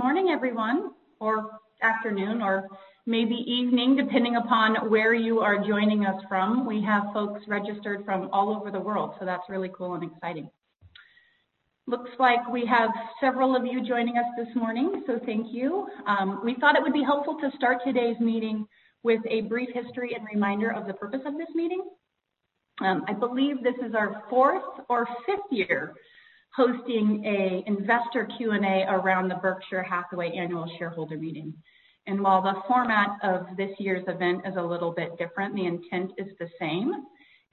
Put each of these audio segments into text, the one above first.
Good morning, everyone, or afternoon, or maybe evening, depending upon where you are joining us from. We have folks registered from all over the world, so that's really cool and exciting. Looks like we have several of you joining us this morning, so thank you. We thought it would be helpful to start today's meeting with a brief history and reminder of the purpose of this meeting. I believe this is our fourth or fifth year hosting an investor Q&A around the Berkshire Hathaway Annual Shareholder Meeting. And while the format of this year's event is a little bit different, the intent is the same,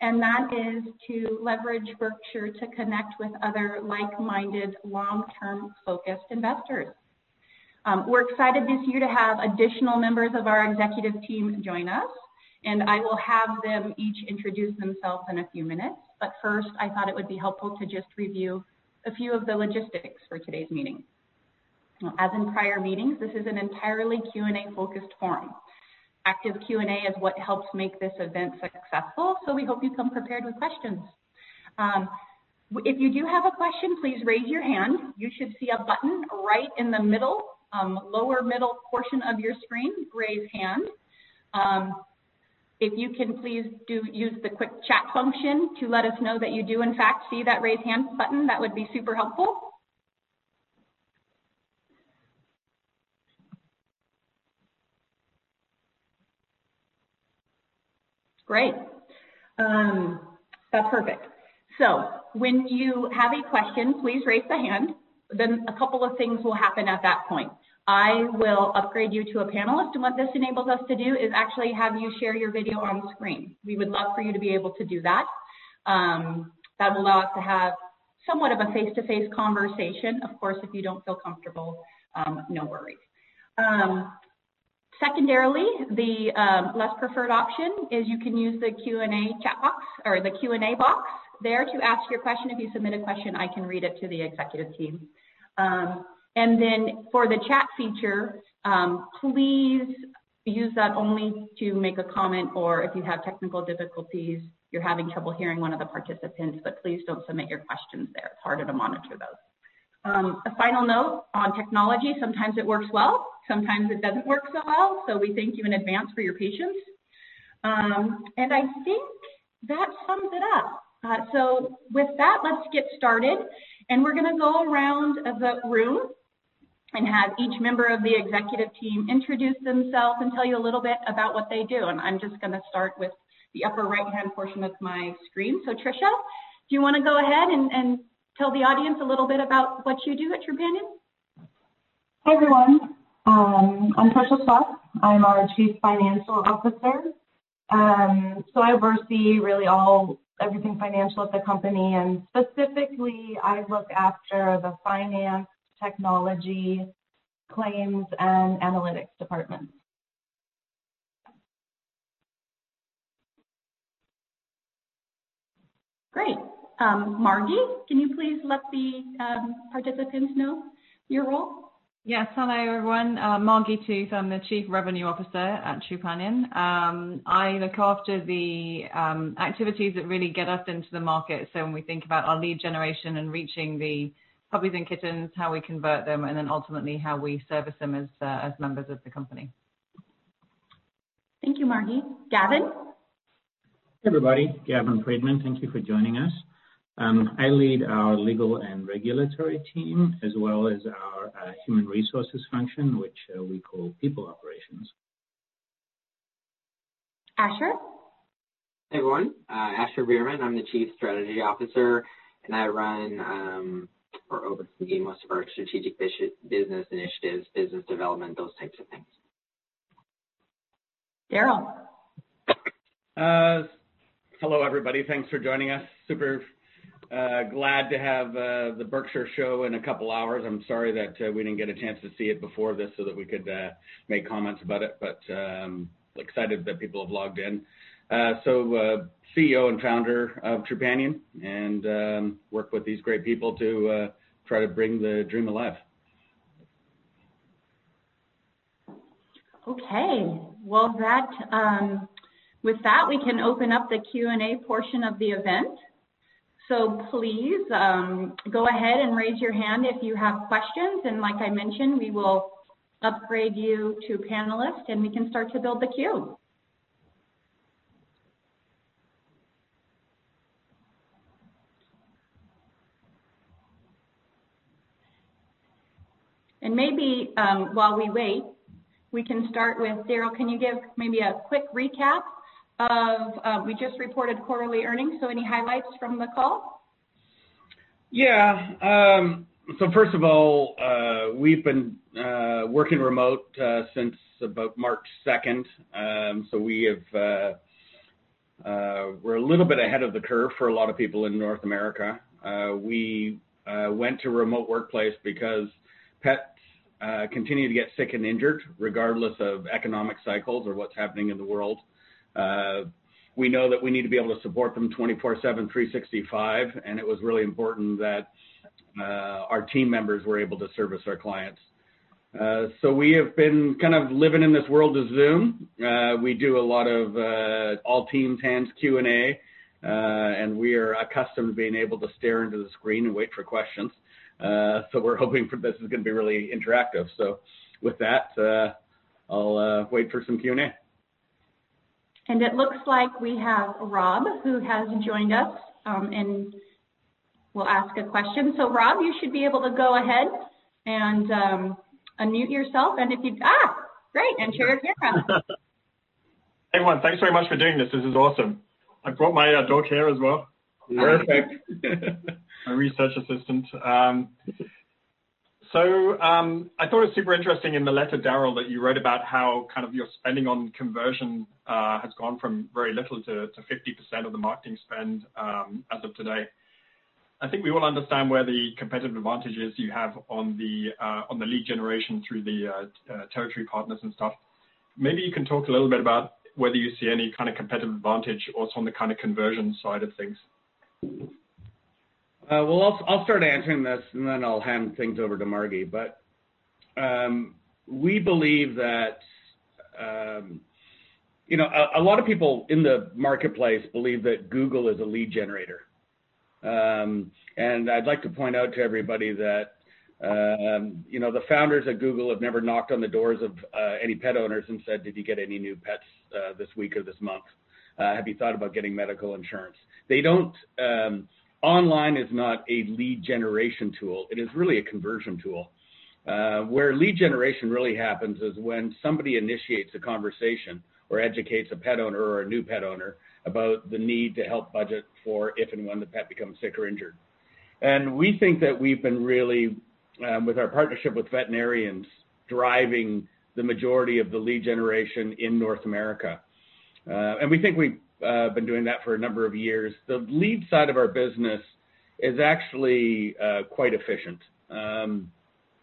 and that is to leverage Berkshire to connect with other like-minded, long-term-focused investors. We're excited this year to have additional members of our executive team join us, and I will have them each introduce themselves in a few minutes. But first, I thought it would be helpful to just review a few of the logistics for today's meeting. As in prior meetings, this is an entirely Q&A-focused forum. Active Q&A is what helps make this event successful, so we hope you come prepared with questions. If you do have a question, please raise your hand. You should see a button right in the middle, lower middle portion of your screen, Raise Hand. If you can, please use the quick chat function to let us know that you do, in fact, see that Raise Hand button. That would be super helpful. Great. That's perfect. So when you have a question, please raise the hand. Then a couple of things will happen at that point. I will upgrade you to a panelist, and what this enables us to do is actually have you share your video on screen. We would love for you to be able to do that. That will allow us to have somewhat of a face-to-face conversation. Of course, if you don't feel comfortable, no worries. Secondarily, the less preferred option is you can use the Q&A chat box or the Q&A box there to ask your question. If you submit a question, I can read it to the executive team. And then for the chat feature, please use that only to make a comment, or if you have technical difficulties, you're having trouble hearing one of the participants, but please don't submit your questions there. It's harder to monitor those. A final note on technology: sometimes it works well, sometimes it doesn't work so well, so we thank you in advance for your patience. And I think that sums it up. So with that, let's get started, and we're going to go around the room and have each member of the executive team introduce themselves and tell you a little bit about what they do. And I'm just going to start with the upper right-hand portion of my screen. So Tricia, do you want to go ahead and tell the audience a little bit about what you do at Trupanion? Hi everyone. I'm Tricia Plouf. I'm our Chief Financial Officer, so I oversee really everything financial at the company, and specifically, I look after the finance, technology, claims, and analytics departments. Great. Margi, can you please let the participants know your role? Yes. Hello everyone. Margi Tooth, I'm the Chief Revenue Officer at Trupanion. I look after the activities that really get us into the market. So when we think about our lead generation and reaching the puppies and kittens, how we convert them, and then ultimately how we service them as members of the company. Thank you, Margi. Gavin? Hi everybody. Gavin Friedman, thank you for joining us. I lead our legal and regulatory team as well as our human resources function, which we call People Operations. Asher? Hey everyone. Asher Bearman. I'm the Chief Strategy Officer, and I run or oversee most of our strategic business initiatives, business development, those types of things. Darryl? Hello everybody. Thanks for joining us. Super glad to have the Berkshire show in a couple of hours. I'm sorry that we didn't get a chance to see it before this so that we could make comments about it, but excited that people have logged in. So CEO and Founder of Trupanion, and work with these great people to try to bring the dream alive. Okay. Well, with that, we can open up the Q&A portion of the event. So please go ahead and raise your hand if you have questions. And like I mentioned, we will upgrade you to panelist, and we can start to build the queue. And maybe while we wait, we can start with Darryl. Can you give maybe a quick recap of we just reported quarterly earnings, so any highlights from the call? Yeah. So first of all, we've been working remote since about March 2nd, so we're a little bit ahead of the curve for a lot of people in North America. We went to remote workplace because pets continue to get sick and injured regardless of economic cycles or what's happening in the world. We know that we need to be able to support them 24/7, 365, and it was really important that our team members were able to service our clients. So we have been kind of living in this world of Zoom. We do a lot of all-hands Q&A, and we are accustomed to being able to stare into the screen and wait for questions. So we're hoping this is going to be really interactive. So with that, I'll wait for some Q&A. And it looks like we have Rob, who has joined us, and we'll ask a question. So Rob, you should be able to go ahead and unmute yourself, and if you're great, and share your camera out. Hey everyone, thanks very much for doing this. This is awesome. I brought my dog here as well. Perfect. My research assistant. So I thought it was super interesting in the letter, Darryl, that you wrote about how kind of your spending on conversion has gone from very little to 50% of the marketing spend as of today. I think we all understand where the competitive advantage is you have on the lead generation through the Territory Partners and stuff. Maybe you can talk a little bit about whether you see any kind of competitive advantage or some of the kind of conversion side of things. I'll start answering this, and then I'll hand things over to Margi. But we believe that a lot of people in the marketplace believe that Google is a lead generator. And I'd like to point out to everybody that the founders at Google have never knocked on the doors of any pet owners and said, "Did you get any new pets this week or this month? Have you thought about getting medical insurance?" Online is not a lead generation tool. It is really a conversion tool. Where lead generation really happens is when somebody initiates a conversation or educates a pet owner or a new pet owner about the need to help budget for if and when the pet becomes sick or injured. And we think that we've been really, with our partnership with veterinarians, driving the majority of the lead generation in North America. We think we've been doing that for a number of years. The lead side of our business is actually quite efficient.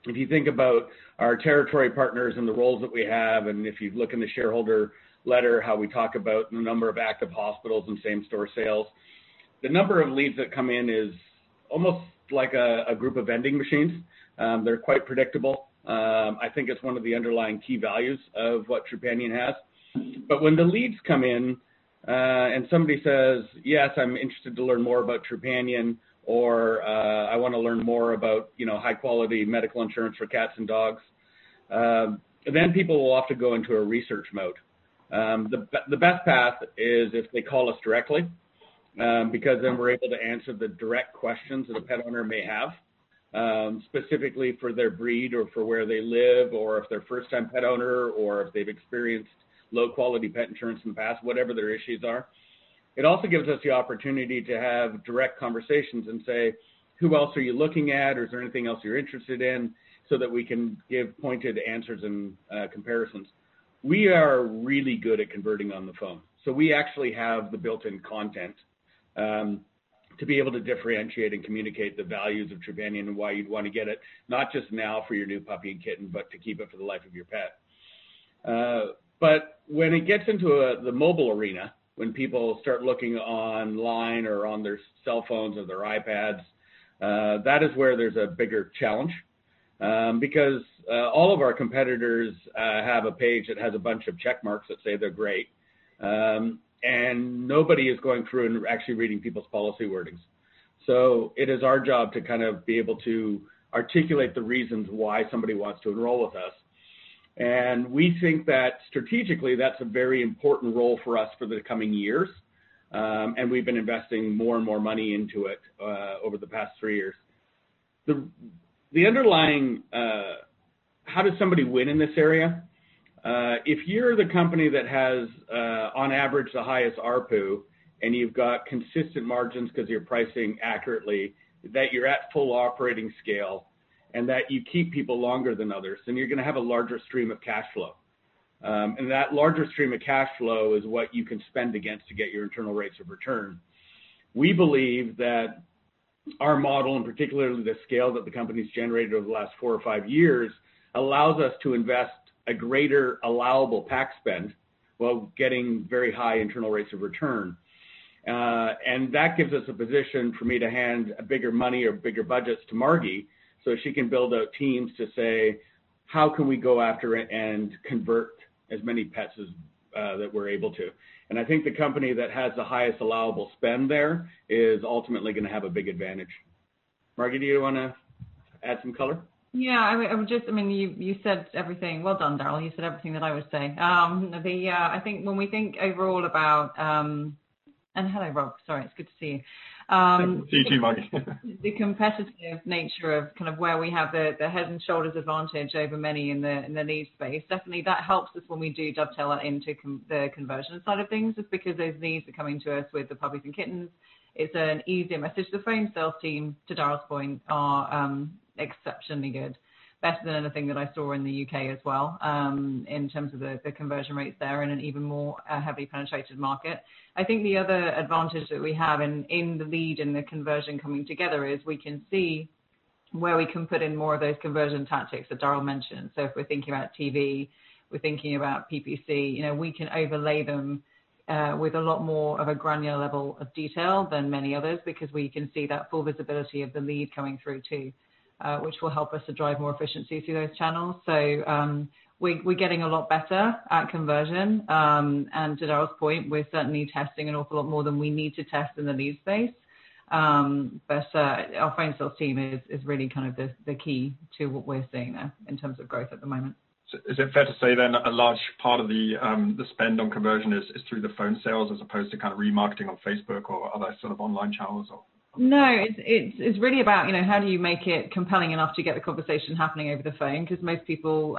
If you think about our Territory Partners and the roles that we have, and if you look in the shareholder letter, how we talk about the number of Active Hospitals and same-store sales, the number of leads that come in is almost like a group of vending machines. They're quite predictable. I think it's one of the underlying key values of what Trupanion has. But when the leads come in and somebody says, "Yes, I'm interested to learn more about Trupanion," or, "I want to learn more about high-quality medical insurance for cats and dogs," then people will often go into a research mode. The best path is if they call us directly because then we're able to answer the direct questions that a pet owner may have, specifically for their breed or for where they live, or if they're a first-time pet owner, or if they've experienced low-quality pet insurance in the past, whatever their issues are. It also gives us the opportunity to have direct conversations and say, "Who else are you looking at, or is there anything else you're interested in?" so that we can give pointed answers and comparisons. We are really good at converting on the phone, so we actually have the built-in content to be able to differentiate and communicate the values of Trupanion and why you'd want to get it, not just now for your new puppy and kitten, but to keep it for the life of your pet. But when it gets into the mobile arena, when people start looking online or on their cell phones or their iPads, that is where there's a bigger challenge because all of our competitors have a page that has a bunch of checkmarks that say they're great, and nobody is going through and actually reading people's policy wordings. So it is our job to kind of be able to articulate the reasons why somebody wants to enroll with us. And we think that strategically, that's a very important role for us for the coming years, and we've been investing more and more money into it over the past three years. The underlying how does somebody win in this area? If you're the company that has, on average, the highest ARPU, and you've got consistent margins because you're pricing accurately, that you're at full operating scale, and that you keep people longer than others, then you're going to have a larger stream of cash flow. And that larger stream of cash flow is what you can spend against to get your internal rates of return. We believe that our model, and particularly the scale that the company's generated over the last four or five years, allows us to invest a greater allowable PAC spend while getting very high internal rates of return. And that gives us a position for me to hand bigger money or bigger budgets to Margi so she can build out teams to say, "How can we go after it and convert as many pets as that we're able to?" And I think the company that has the highest allowable spend there is ultimately going to have a big advantage. Margi, do you want to add some color? Yeah. I mean, you said everything. Well done, Darryl. You said everything that I would say. I think when we think overall about and hello, Rob. Sorry, it's good to see you. See you too, Margi. The competitive nature of kind of where we have the head and shoulders advantage over many in the lead space, definitely that helps us when we do dovetail into the conversion side of things because those leads are coming to us with the puppies and kittens. It's an easier message to the phone sales team, to Darryl's point, are exceptionally good, better than anything that I saw in the U.K. as well in terms of the conversion rates there in an even more heavily penetrated market. I think the other advantage that we have in the lead and the conversion coming together is we can see where we can put in more of those conversion tactics that Darryl mentioned. So if we're thinking about TV, we're thinking about PPC, we can overlay them with a lot more of a granular level of detail than many others because we can see that full visibility of the lead coming through too, which will help us to drive more efficiency through those channels. So we're getting a lot better at conversion. And to Darryl's point, we're certainly testing an awful lot more than we need to test in the lead space. But our phone sales team is really kind of the key to what we're seeing there in terms of growth at the moment. Is it fair to say then a large part of the spend on conversion is through the phone sales as opposed to kind of remarketing on Facebook or other sort of online channels? No. It's really about how do you make it compelling enough to get the conversation happening over the phone because most people,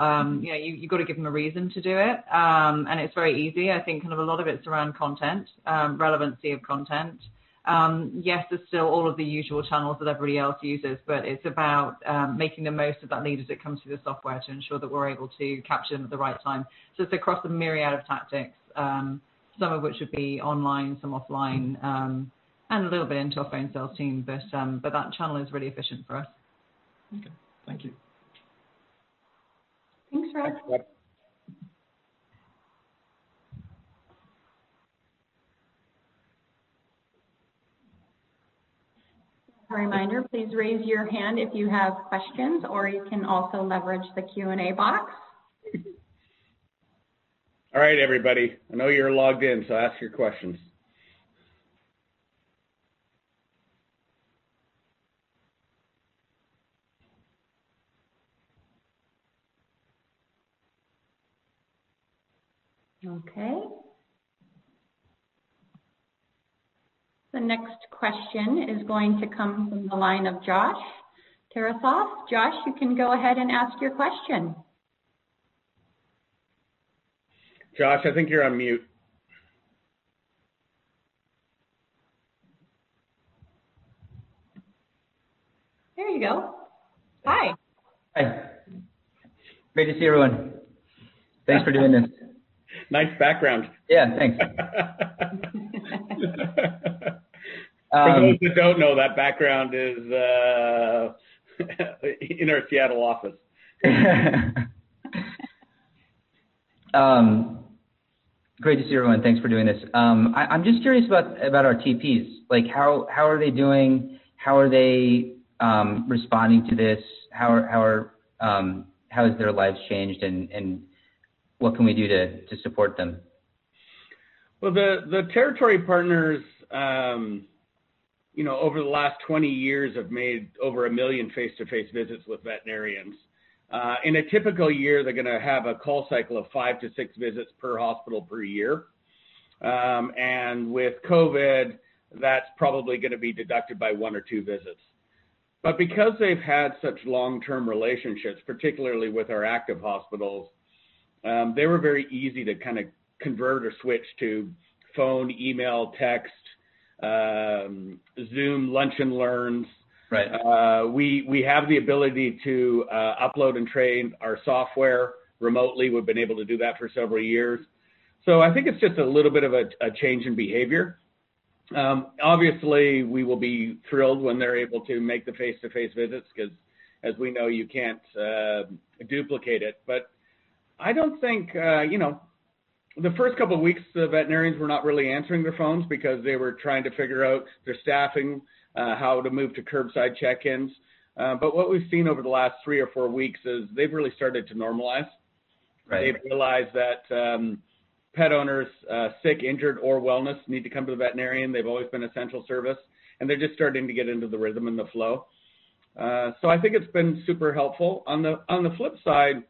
you've got to give them a reason to do it. And it's very easy. I think kind of a lot of it's around content, relevancy of content. Yes, there's still all of the usual channels that everybody else uses, but it's about making the most of that lead as it comes through the software to ensure that we're able to capture them at the right time. So it's across a myriad of tactics, some of which would be online, some offline, and a little bit into our phone sales team. But that channel is really efficient for us. Okay. Thank you. Thanks, Rob. A reminder, please raise your hand if you have questions, or you can also leverage the Q&A box. All right, everybody. I know you're logged in, so ask your questions. Okay. The next question is going to come from the line of Josh Tarasoff. Josh, you can go ahead and ask your question. Josh, I think you're on mute. There you go. Hi. Hi. Great to see everyone. Thanks for doing this. Nice background. Yeah, thanks. For those that don't know, that background is in our Seattle office. Great to see everyone. Thanks for doing this. I'm just curious about our TPs. How are they doing? How are they responding to this? How has their lives changed, and what can we do to support them? The Territory Partners, over the last 20 years, have made over a million face-to-face visits with veterinarians. In a typical year, they're going to have a call cycle of five to six visits per hospital per year, and with COVID, that's probably going to be deducted by one or two visits, but because they've had such long-term relationships, particularly with our Active Hospitals, they were very easy to kind of convert or switch to phone, email, text, Zoom, lunch and learns. We have the ability to upload and train our software remotely. We've been able to do that for several years, so I think it's just a little bit of a change in behavior. Obviously, we will be thrilled when they're able to make the face-to-face visits because, as we know, you can't duplicate it. But I don't think the first couple of weeks, the veterinarians were not really answering their phones because they were trying to figure out their staffing, how to move to curbside check-ins. But what we've seen over the last three or four weeks is they've really started to normalize. They've realized that pet owners, sick, injured, or wellness need to come to the veterinarian. They've always been essential service, and they're just starting to get into the rhythm and the flow. So I think it's been super helpful. On the flip side,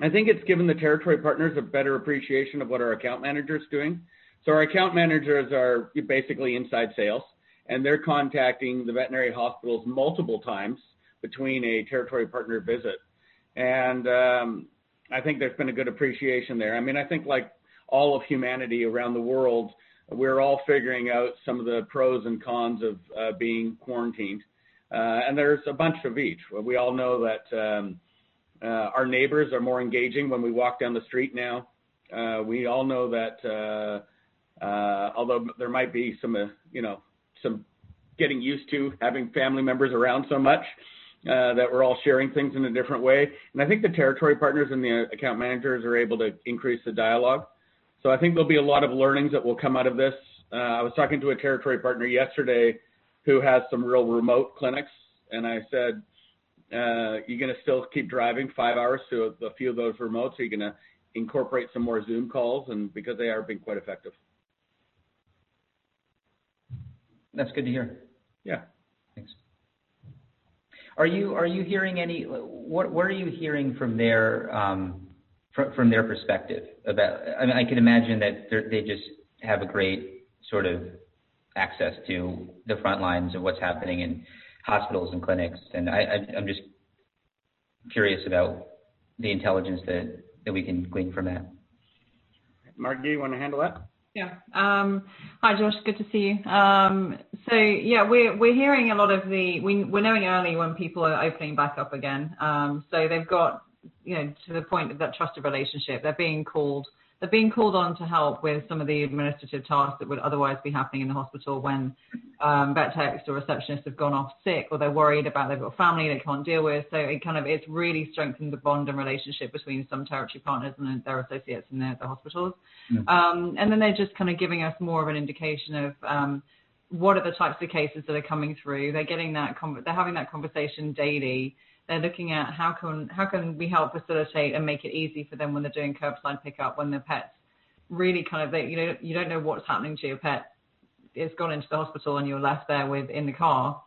I think it's given the Territory Partners a better appreciation of what our account manager is doing. So our account managers are basically inside sales, and they're contacting the veterinary hospitals multiple times between a territory partner visit. And I think there's been a good appreciation there. I mean, I think like all of humanity around the world, we're all figuring out some of the pros and cons of being quarantined, and there's a bunch of each. We all know that our neighbors are more engaging when we walk down the street now. We all know that, although there might be some getting used to having family members around so much, that we're all sharing things in a different way, and I think the Territory Partners and the account managers are able to increase the dialogue. So I think there'll be a lot of learnings that will come out of this. I was talking to a territory partner yesterday who has some real remote clinics, and I said, "You're going to still keep driving five hours to a few of those remotes, or you're going to incorporate some more Zoom calls," because they have been quite effective. That's good to hear. Yeah. Thanks. Are you hearing anything from their perspective? I mean, I can imagine that they just have a great sort of access to the front lines of what's happening in hospitals and clinics. And I'm just curious about the intelligence that we can glean from that. Margi, do you want to handle that? Yeah. Hi, Josh. Good to see you. So yeah, we're hearing a lot, we're knowing early when people are opening back up again. So they've got to the point of that trusted relationship. They're being called on to help with some of the administrative tasks that would otherwise be happening in the hospital when vet techs or receptionists have gone off sick, or they're worried about their family, they can't deal with. So it kind of really strengthens the bond and relationship between some Territory Partners and their associates in the hospitals. And then they're just kind of giving us more of an indication of what are the types of cases that are coming through. They're having that conversation daily. They're looking at how can we help facilitate and make it easy for them when they're doing curbside pickup, when their pets really kind of you don't know what's happening to your pet. It's gone into the hospital, and you're left there in the car.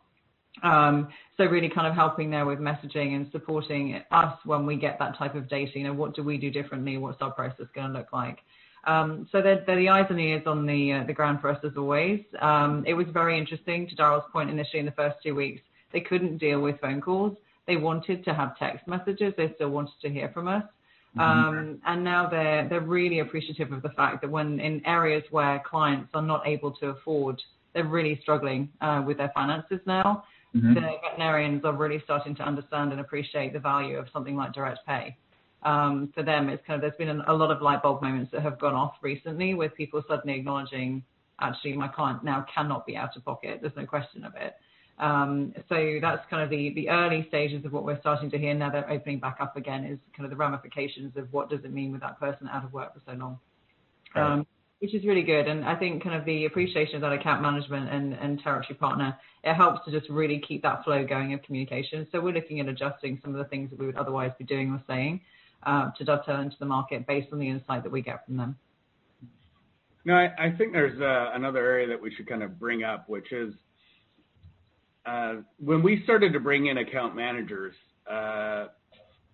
So really kind of helping there with messaging and supporting us when we get that type of data. What do we do differently? What's our process going to look like? So they're the eyes and ears on the ground for us as always. It was very interesting to Darryl's point initially in the first two weeks. They couldn't deal with phone calls. They wanted to have text messages. They still wanted to hear from us. And now they're really appreciative of the fact that when in areas where clients are not able to afford, they're really struggling with their finances now. The veterinarians are really starting to understand and appreciate the value of something like Direct Pay. For them, it's kind of, there's been a lot of light bulb moments that have gone off recently with people suddenly acknowledging, "Actually, my client now cannot be out of pocket. There's no question of it." So that's kind of the early stages of what we're starting to hear. Now they're opening back up again is kind of the ramifications of what does it mean with that person out of work for so long, which is really good. And I think kind of the appreciation of that Account Management and Territory Partner. It helps to just really keep that flow going of communication. So we're looking at adjusting some of the things that we would otherwise be doing or saying to dovetail into the market based on the insight that we get from them. Now, I think there's another area that we should kind of bring up, which is when we started to bring in account managers,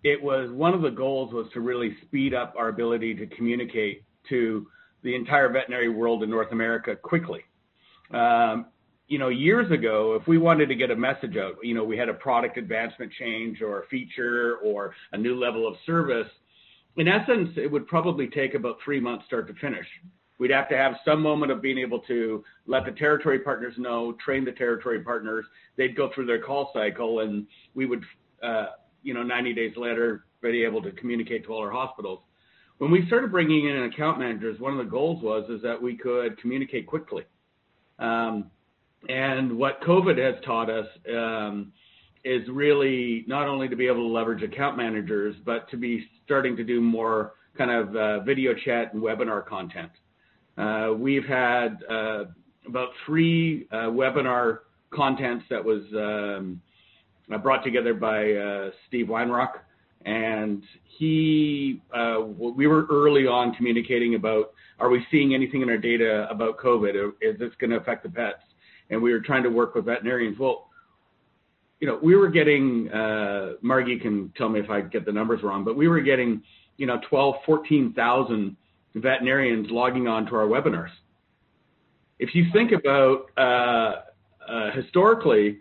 it was one of the goals was to really speed up our ability to communicate to the entire veterinary world in North America quickly. Years ago, if we wanted to get a message out, we had a product advancement change or a feature or a new level of service, in essence, it would probably take about three months start to finish. We'd have to have some moment of being able to let the Territory Partners know, train the Territory Partners. They'd go through their call cycle, and we would, 90 days later, be able to communicate to all our hospitals. When we started bringing in account managers, one of the goals was that we could communicate quickly. What COVID has taught us is really not only to be able to leverage account managers, but to be starting to do more kind of video chat and webinar content. We've had about three webinar contents that were brought together by Steve Weinrauch. And we were early on communicating about, "Are we seeing anything in our data about COVID? Is this going to affect the pets?" And we were trying to work with veterinarians. Well, we were getting, Margi can tell me if I get the numbers wrong, but we were getting 12,000, 14,000 veterinarians logging on to our webinars. If you think about historically,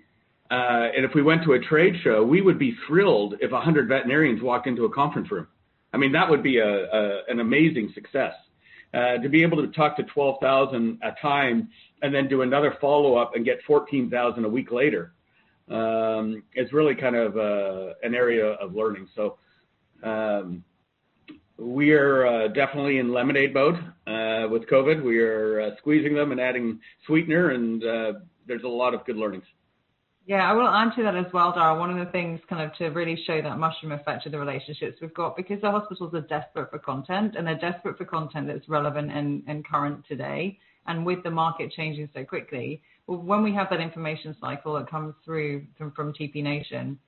and if we went to a trade show, we would be thrilled if 100 veterinarians walked into a conference room. I mean, that would be an amazing success. To be able to talk to 12,000 at a time and then do another follow-up and get 14,000 a week later is really kind of an area of learning. So we're definitely in lemonade mode with COVID. We are squeezing them and adding sweetener, and there's a lot of good learnings. Yeah. I will add to that as well, Darryl. One of the things kind of to really show you that mushroom effect of the relationships we've got because the hospitals are desperate for content, and they're desperate for content that's relevant and current today. And with the market changing so quickly, when we have that information cycle that comes through from TP Nation,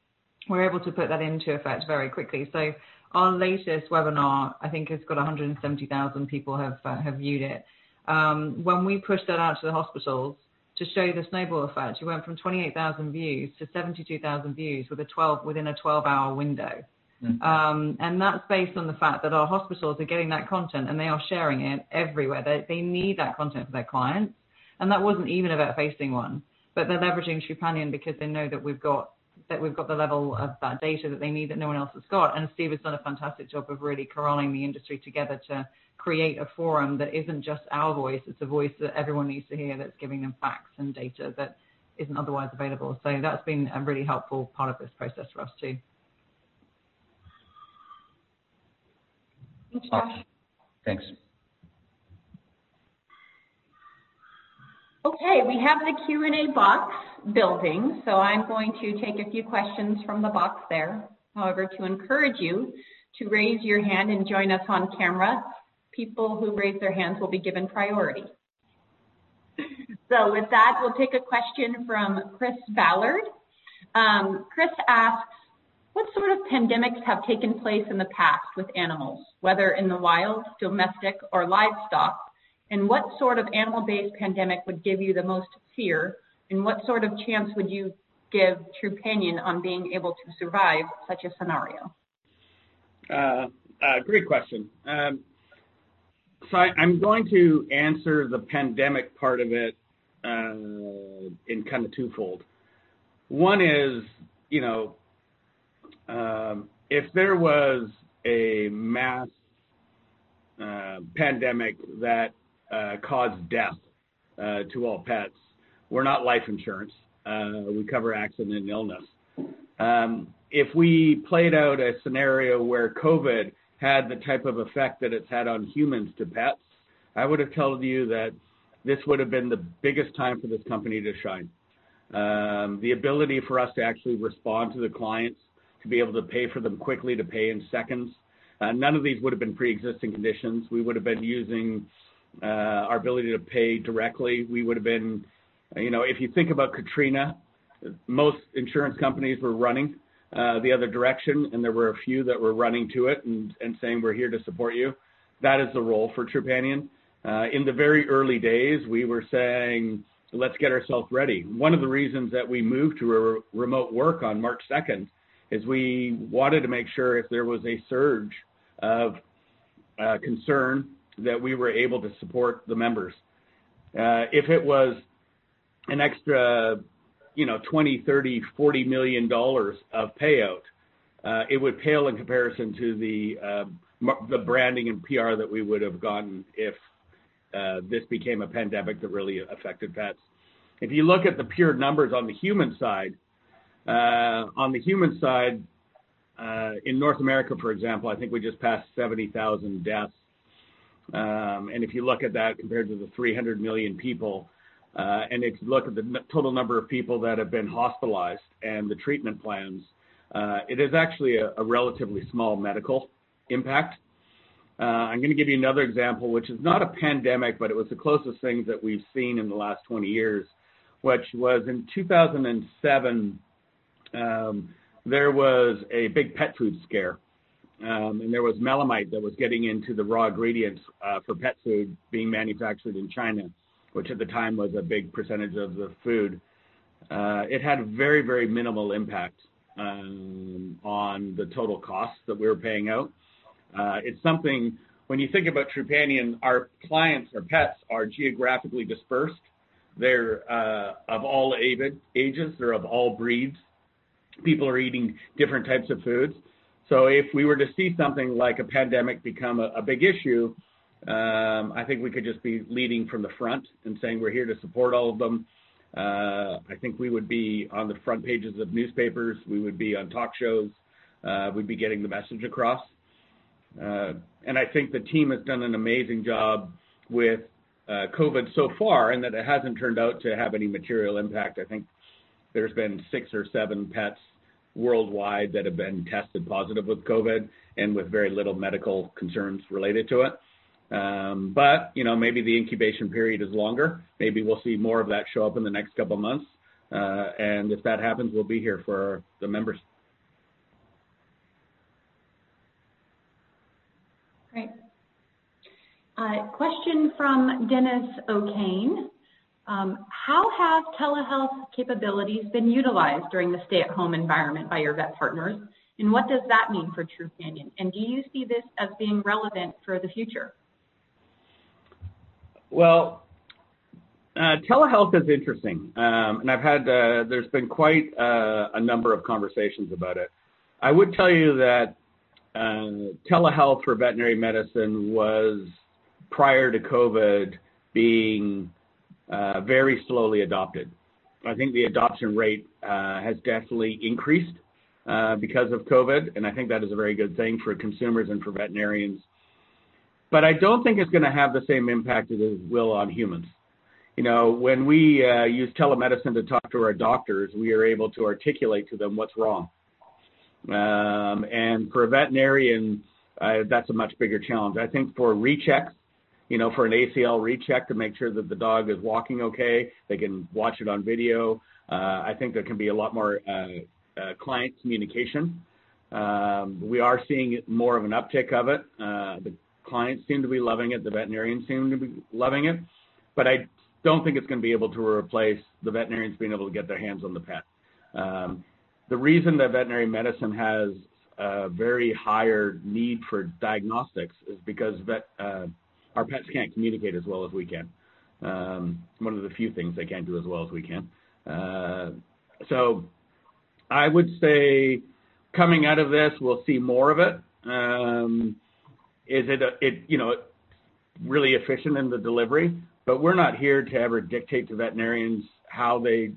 we're able to put that into effect very quickly. So our latest webinar, I think, has got 170,000 people who have viewed it. When we pushed that out to the hospitals to show the snowball effect, we went from 28,000 views to 72,000 views within a 12-hour window. And that's based on the fact that our hospitals are getting that content, and they are sharing it everywhere. They need that content for their clients. And that wasn't even about facing one, but they're leveraging Trupanion because they know that we've got the level of that data that they need that no one else has got. Steve has done a fantastic job of really corralling the industry together to create a forum that isn't just our voice. It's a voice that everyone needs to hear that's giving them facts and data that isn't otherwise available. That's been a really helpful part of this process for us too. Thanks, Josh. Thanks. Okay. We have the Q&A box building. So I'm going to take a few questions from the box there. However, to encourage you to raise your hand and join us on camera, people who raise their hands will be given priority. So with that, we'll take a question from Chris Ballard. Chris asks, "What sort of pandemics have taken place in the past with animals, whether in the wild, domestic, or livestock? And what sort of animal-based pandemic would give you the most fear? And what sort of chance would you give Trupanion on being able to survive such a scenario? Great question. So I'm going to answer the pandemic part of it in kind of twofold. One is if there was a mass pandemic that caused death to all pets, we're not life insurance. We cover accident and illness. If we played out a scenario where COVID had the type of effect that it's had on humans to pets, I would have told you that this would have been the biggest time for this company to shine. The ability for us to actually respond to the clients, to be able to pay for them quickly, to pay in seconds. None of these would have been pre-existing conditions. We would have been using our ability to pay directly. We would have been, if you think about Katrina, most insurance companies were running the other direction, and there were a few that were running to it and saying, "We're here to support you." That is the role for Trupanion. In the very early days, we were saying, "Let's get ourselves ready." One of the reasons that we moved to remote work on March 2nd is we wanted to make sure if there was a surge of concern that we were able to support the members. If it was an extra $20 million, $30 million, $40 million of payout, it would pale in comparison to the branding and PR that we would have gotten if this became a pandemic that really affected pets. If you look at the pure numbers on the human side, on the human side in North America, for example, I think we just passed 70,000 deaths. If you look at that compared to the 300 million people, and if you look at the total number of people that have been hospitalized and the treatment plans, it is actually a relatively small medical impact. I'm going to give you another example, which is not a pandemic, but it was the closest thing that we've seen in the last 20 years. Which was in 2007, there was a big pet food scare, and there was melamine that was getting into the raw ingredients for pet food being manufactured in China, which at the time was a big percentage of the food. It had very, very minimal impact on the total costs that we were paying out. It's something when you think about Trupanion, our clients, our pets are geographically dispersed. They're of all ages. They're of all breeds. People are eating different types of foods. So if we were to see something like a pandemic become a big issue, I think we could just be leading from the front and saying, "We're here to support all of them." I think we would be on the front pages of newspapers. We would be on talk shows. We'd be getting the message across. And I think the team has done an amazing job with COVID so far in that it hasn't turned out to have any material impact. I think there's been six or seven pets worldwide that have been tested positive with COVID and with very little medical concerns related to it. But maybe the incubation period is longer. Maybe we'll see more of that show up in the next couple of months. And if that happens, we'll be here for the members. Great. Question from Dennis Oaking. "How have telehealth capabilities been utilized during the stay-at-home environment by your vet partners? And what does that mean for Trupanion? And do you see this as being relevant for the future? Telehealth is interesting. There's been quite a number of conversations about it. I would tell you that telehealth for veterinary medicine was, prior to COVID, being very slowly adopted. I think the adoption rate has definitely increased because of COVID. I think that is a very good thing for consumers and for veterinarians. I don't think it's going to have the same impact it will on humans. When we use telemedicine to talk to our doctors, we are able to articulate to them what's wrong. For a veterinarian, that's a much bigger challenge. I think for rechecks, for an ACL recheck to make sure that the dog is walking okay, they can watch it on video. I think there can be a lot more client communication. We are seeing more of an uptick of it. The clients seem to be loving it. The veterinarians seem to be loving it. But I don't think it's going to be able to replace the veterinarians being able to get their hands on the pet. The reason that veterinary medicine has a very higher need for diagnostics is because our pets can't communicate as well as we can. One of the few things they can't do as well as we can. So I would say coming out of this, we'll see more of it. Is it really efficient in the delivery? But we're not here to ever dictate to veterinarians how they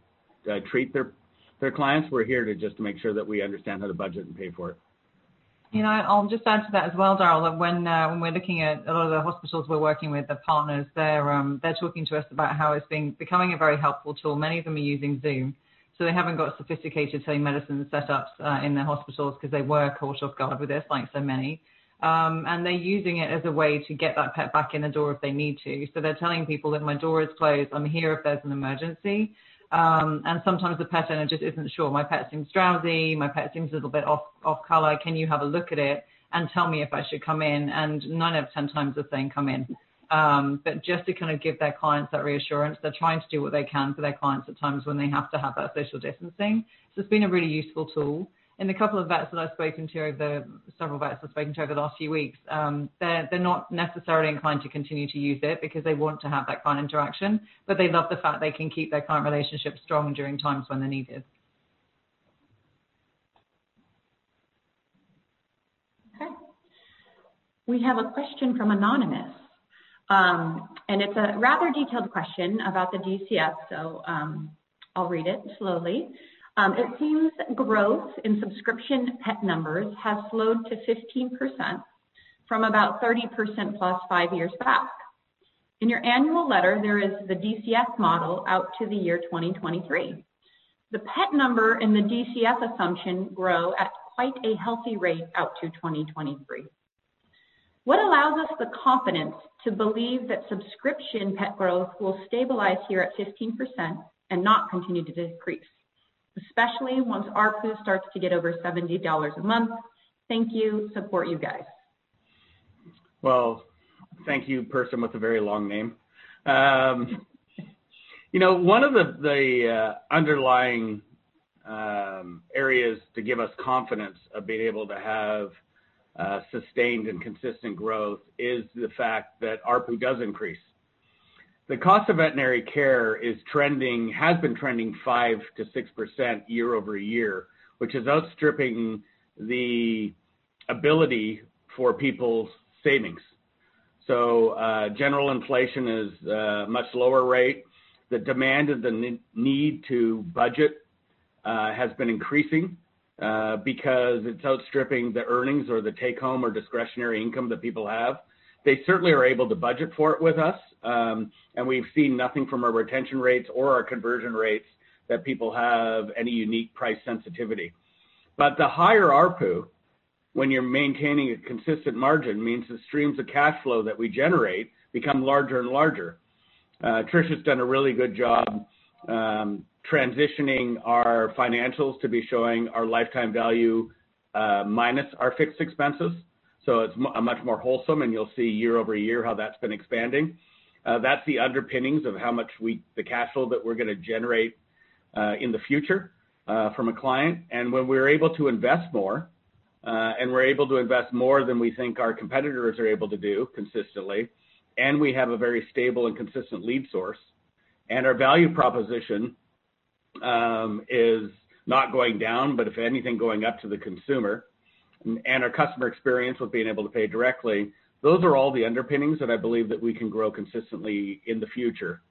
treat their clients. We're here just to make sure that we understand how to budget and pay for it. I'll just add to that as well, Darryl, that when we're looking at a lot of the hospitals we're working with, the partners there, they're talking to us about how it's becoming a very helpful tool. Many of them are using Zoom. So they haven't got sophisticated telemedicine setups in their hospitals because they were caught off guard with this, like so many. And they're using it as a way to get that pet back in the door if they need to. So they're telling people that, "My door is closed. I'm here if there's an emergency." And sometimes the pet owner just isn't sure. "My pet seems drowsy. My pet seems a little bit off color. Can you have a look at it and tell me if I should come in?" And nine out of 10x they're saying, "Come in." But just to kind of give their clients that reassurance, they're trying to do what they can for their clients at times when they have to have that social distancing. So it's been a really useful tool. And the couple of vets that I've spoken to, several vets I've spoken to over the last few weeks, they're not necessarily inclined to continue to use it because they want to have that kind of interaction, bt they love the fact they can keep their current relationship strong during times when they're needed. Okay. We have a question from Anonymous. And it's a rather detailed question about the DCF, so I'll read it slowly. "It seems growth in subscription pet numbers has slowed to 15% from about 30%+ five years back. In your annual letter, there is the DCF model out to the year 2023. The pet number and the DCF assumption grow at quite a healthy rate out to 2023. What allows us the confidence to believe that subscription pet growth will stabilize here at 15% and not continue to decrease, especially once our food starts to get over $70 a month? Thank you. Support you guys. Thank you, person with a very long name. One of the underlying areas to give us confidence of being able to have sustained and consistent growth is the fact that our ARPU does increase. The cost of veterinary care has been trending 5%-6% year-over-year, which is outstripping the ability for people's savings, so general inflation is a much lower rate. The demand and the need to budget has been increasing because it's outstripping the earnings or the take-home or discretionary income that people have. They certainly are able to budget for it with us, and we've seen nothing from our retention rates or our conversion rates that people have any unique price sensitivity, but the higher our ARPU, when you're maintaining a consistent margin, means the streams of cash flow that we generate become larger and larger. Tricia's done a really good job transitioning our financials to be showing our lifetime value minus our fixed expenses, so it's much more wholesome, and you'll see year-over-year how that's been expanding. That's the underpinnings of how much the cash flow that we're going to generate in the future from a client, and when we're able to invest more, and we're able to invest more than we think our competitors are able to do consistently, and we have a very stable and consistent lead source, and our value proposition is not going down, but if anything, going up to the consumer, and our customer experience with being able to pay directly, those are all the underpinnings that I believe that we can grow consistently in the future.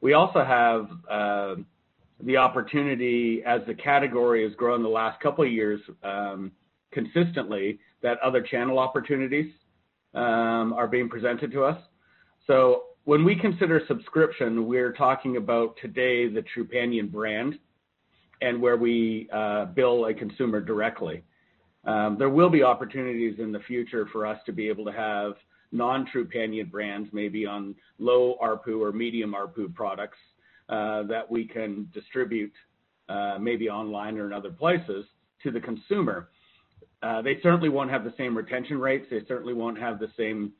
We also have the opportunity, as the category has grown the last couple of years consistently, that other channel opportunities are being presented to us. So when we consider subscription, we're talking about today the Trupanion brand and where we bill a consumer directly. There will be opportunities in the future for us to be able to have non-Trupanion brands, maybe on low ARPU or medium ARPU products that we can distribute maybe online or in other places to the consumer. They certainly won't have the same retention rates. They certainly won't have the same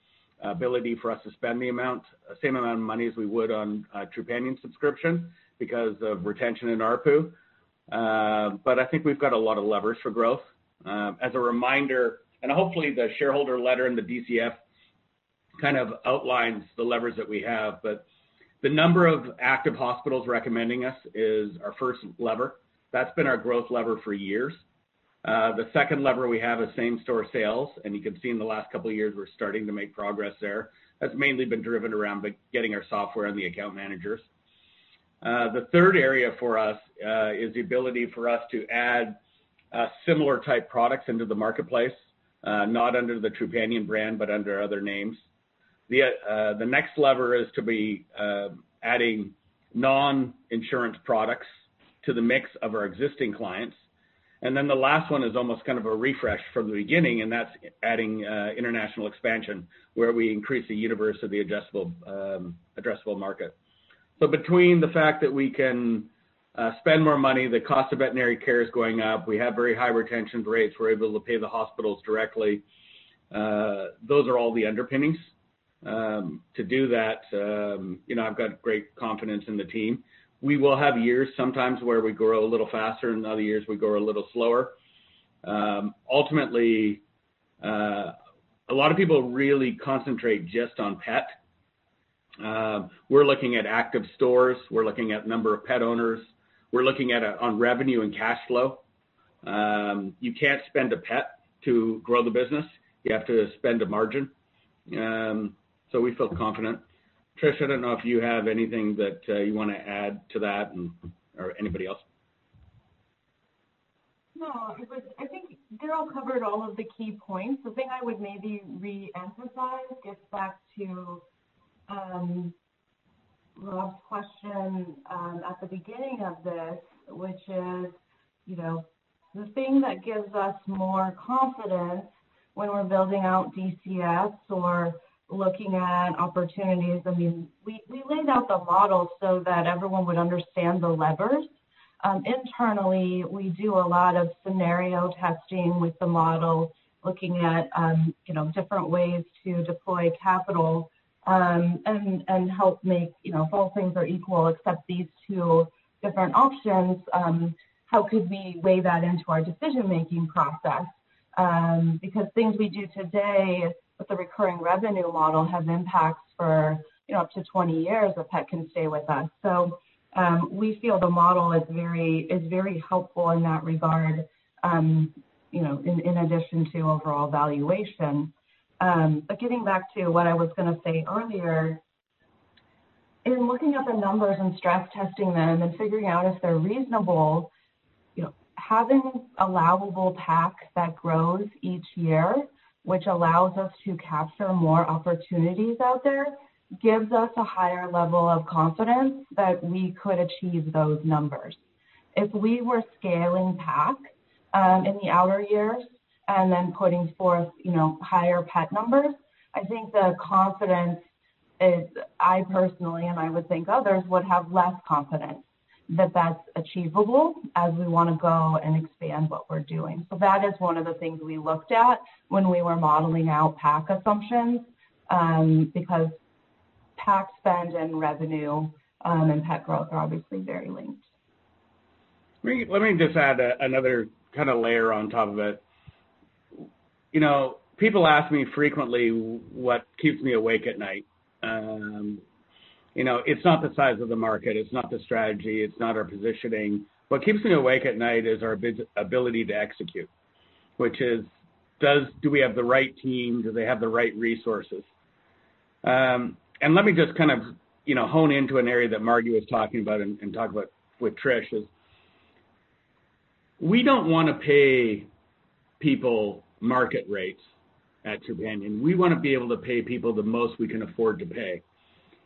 ability for us to spend the same amount of money as we would on a Trupanion subscription because of retention and ARPU. But I think we've got a lot of levers for growth. As a reminder, and hopefully the shareholder letter and the DCF kind of outlines the levers that we have, but the number of Active Hospitals recommending us is our first lever. That's been our growth lever for years. The second lever we have is same-store sales. And you can see in the last couple of years, we're starting to make progress there. That's mainly been driven around getting our software and the account managers. The third area for us is the ability for us to add similar-type products into the marketplace, not under the Trupanion brand, but under other names. The next lever is to be adding non-insurance products to the mix of our existing clients. And then the last one is almost kind of a refresh from the beginning, and that's adding international expansion where we increase the universe of the addressable market. But between the fact that we can spend more money, the cost of veterinary care is going up. We have very high retention rates. We're able to pay the hospitals directly. Those are all the underpinnings. To do that, I've got great confidence in the team. We will have years sometimes where we grow a little faster, and other years we grow a little slower. Ultimately, a lot of people really concentrate just on pet. We're looking at active stores. We're looking at the number of pet owners. We're looking at revenue and cash flow. You can't spend a pet to grow the business. You have to spend a margin. So we feel confident. Trish, I don't know if you have anything that you want to add to that or anybody else. No. I think Darryl covered all of the key points. The thing I would maybe re-emphasize gets back to Rob's question at the beginning of this, which is the thing that gives us more confidence when we're building out DCFs or looking at opportunities. I mean, we laid out the model so that everyone would understand the levers. Internally, we do a lot of scenario testing with the model, looking at different ways to deploy capital and hold all things equal except these two different options. How could we weigh that into our decision-making process? Because things we do today with the recurring revenue model have impacts for up to 20 years a pet can stay with us. So we feel the model is very helpful in that regard in addition to overall valuation. But getting back to what I was going to say earlier, in looking at the numbers and stress testing them and figuring out if they're reasonable, having allowable PAC that grows each year, which allows us to capture more opportunities out there, gives us a higher level of confidence that we could achieve those numbers. If we were scaling PAC in the outer years and then putting forth higher pet numbers, I think the confidence is I personally and I would think others would have less confidence that that's achievable as we want to go and expand what we're doing. So that is one of the things we looked at when we were modeling out PAC assumptions because PAC spend and revenue and pet growth are obviously very linked. Let me just add another kind of layer on top of it. People ask me frequently what keeps me awake at night. It's not the size of the market. It's not the strategy. It's not our positioning. What keeps me awake at night is our ability to execute, which is, do we have the right team? Do they have the right resources? And let me just kind of hone into an area that Margi was talking about and talked about with Trish. We don't want to pay people market rates at Trupanion. We want to be able to pay people the most we can afford to pay.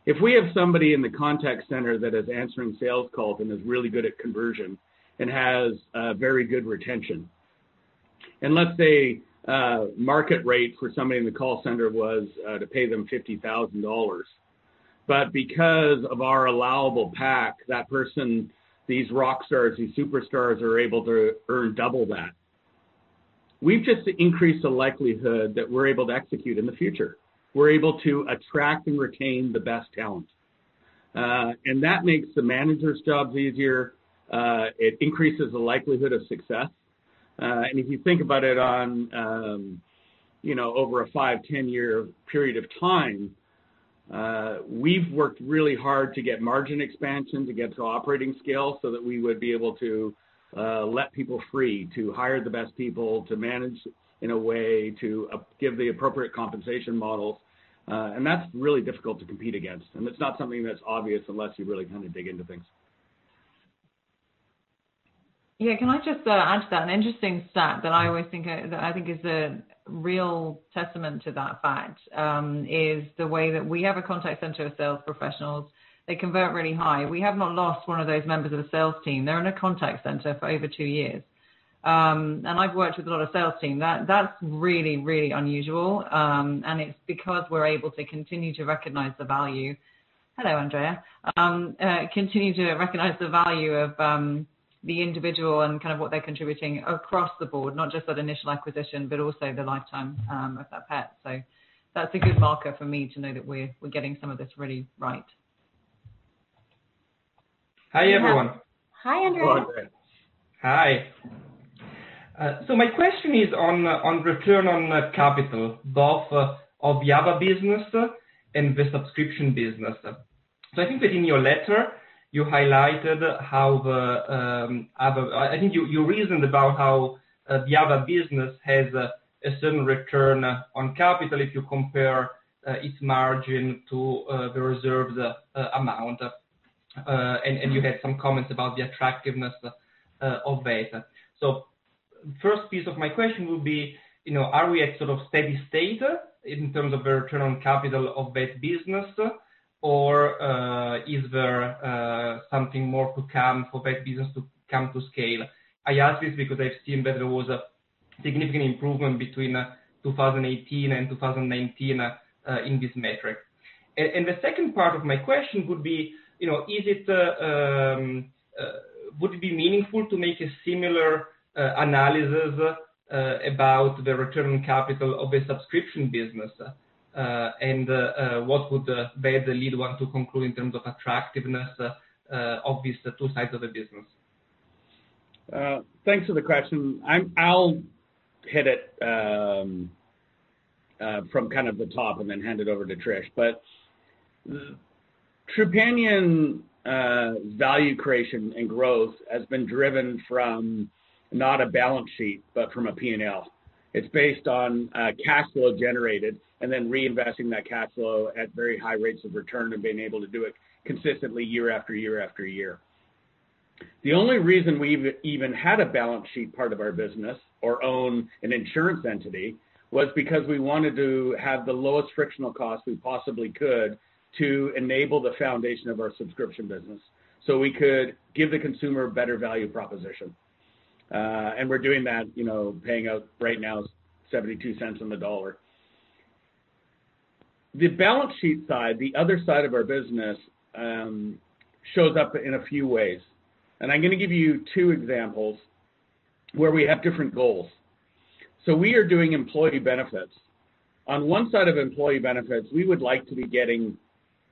If we have somebody in the contact center that is answering sales calls and is really good at conversion and has very good retention, and let's say market rate for somebody in the call center was to pay them $50,000. But because of our allowable PAC, that person, these rock stars, these superstars are able to earn double that. We've just increased the likelihood that we're able to execute in the future. We're able to attract and retain the best talent. And that makes the manager's jobs easier. It increases the likelihood of success. And if you think about it over a five, 10-year period of time, we've worked really hard to get margin expansion, to get to operating scale so that we would be able to let people free, to hire the best people, to manage in a way, to give the appropriate compensation models. And that's really difficult to compete against. And it's not something that's obvious unless you really kind of dig into things. Yeah. Can I just add to that? An interesting stat that I always think is a real testament to that fact is the way that we have a contact center of sales professionals. They convert really high. We have not lost one of those members of the sales team. They're in a contact center for over two years, and I've worked with a lot of sales team. That's really, really unusual, and it's because we're able to continue to recognize the value. Hello, Andrea. Continue to recognize the value of the individual and kind of what they're contributing across the board, not just that initial acquisition, but also the lifetime of that pet. So that's a good marker for me to know that we're getting some of this really right. Hi, everyone. Hi, Andrea. Hi. So my question is on return on capital, both of the Other Business and the Subscription Business. So I think that in your letter, you highlighted how the other I think you reasoned about how the Other Business has a certain return on capital if you compare its margin to the reserved amount. And you had some comments about the attractiveness of that. So the first piece of my question will be, are we at sort of steady state in terms of the return on capital of that business, or is there something more to come for that business to come to scale? I ask this because I've seen that there was a significant improvement between 2018 and 2019 in this metric. And the second part of my question would be, would it be meaningful to make a similar analysis about the return on capital of a Subscription Business? What would be the lens to conclude in terms of attractiveness of these two sides of the business? Thanks for the question. I'll hit it from kind of the top and then hand it over to Trish. Trupanion's value creation and growth has been driven from not a balance sheet, but from a P&L. It's based on cash flow generated and then reinvesting that cash flow at very high rates of return and being able to do it consistently year after year after year. The only reason we've even had a balance sheet part of our business or own an insurance entity was because we wanted to have the lowest frictional cost we possibly could to enable the foundation of our subscription business so we could give the consumer a better value proposition. We're doing that, paying out right now, $0.72 on the dollar. The balance sheet side, the other side of our business shows up in a few ways. And I'm going to give you two examples where we have different goals. So we are doing employee benefits. On one side of employee benefits, we would like to be getting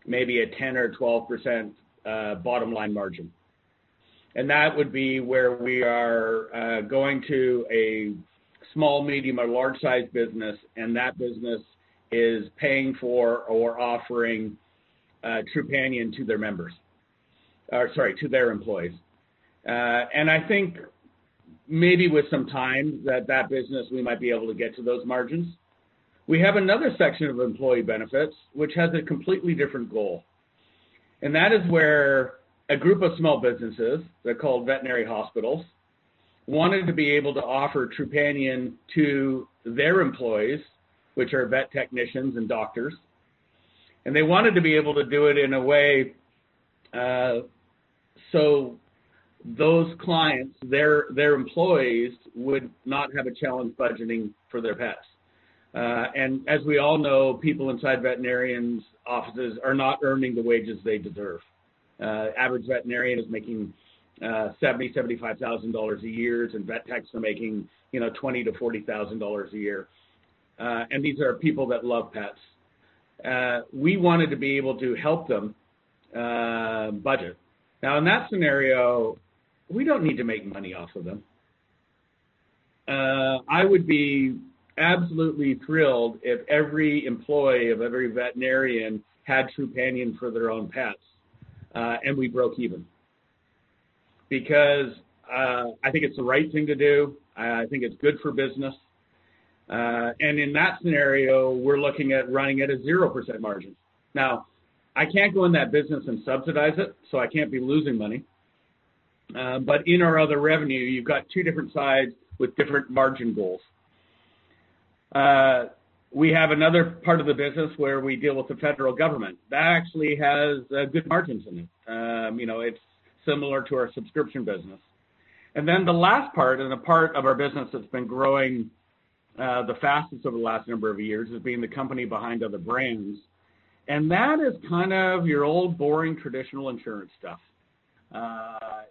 maybe a 10% or 12% bottom line margin. And that would be where we are going to a small, medium, or large-sized business, and that business is paying for or offering Trupanion to their members or, sorry, to their employees. And I think maybe with some time that that business, we might be able to get to those margins. We have another section of employee benefits, which has a completely different goal. And that is where a group of small businesses that are called veterinary hospitals wanted to be able to offer Trupanion to their employees, which are vet technicians and doctors. They wanted to be able to do it in a way so those clients, their employees, would not have a challenge budgeting for their pets. As we all know, people inside veterinarian's offices are not earning the wages they deserve. Average veterinarian is making $70,000-$75,000 a year, and vet techs are making $20,000-$40,000 a year. These are people that love pets. We wanted to be able to help them budget. Now, in that scenario, we don't need to make money off of them. I would be absolutely thrilled if every employee of every veterinarian had Trupanion for their own pets and we broke even because I think it's the right thing to do. I think it's good for business. In that scenario, we're looking at running at a 0% margin. Now, I can't go in that business and subsidize it, so I can't be losing money. But in our other revenue, you've got two different sides with different margin goals. We have another part of the business where we deal with the federal government. That actually has good margins in it. It's similar to our Subscription Business. And then the last part and the part of our business that's been growing the fastest over the last number of years has been the company behind other brands. And that is kind of your old boring traditional insurance stuff.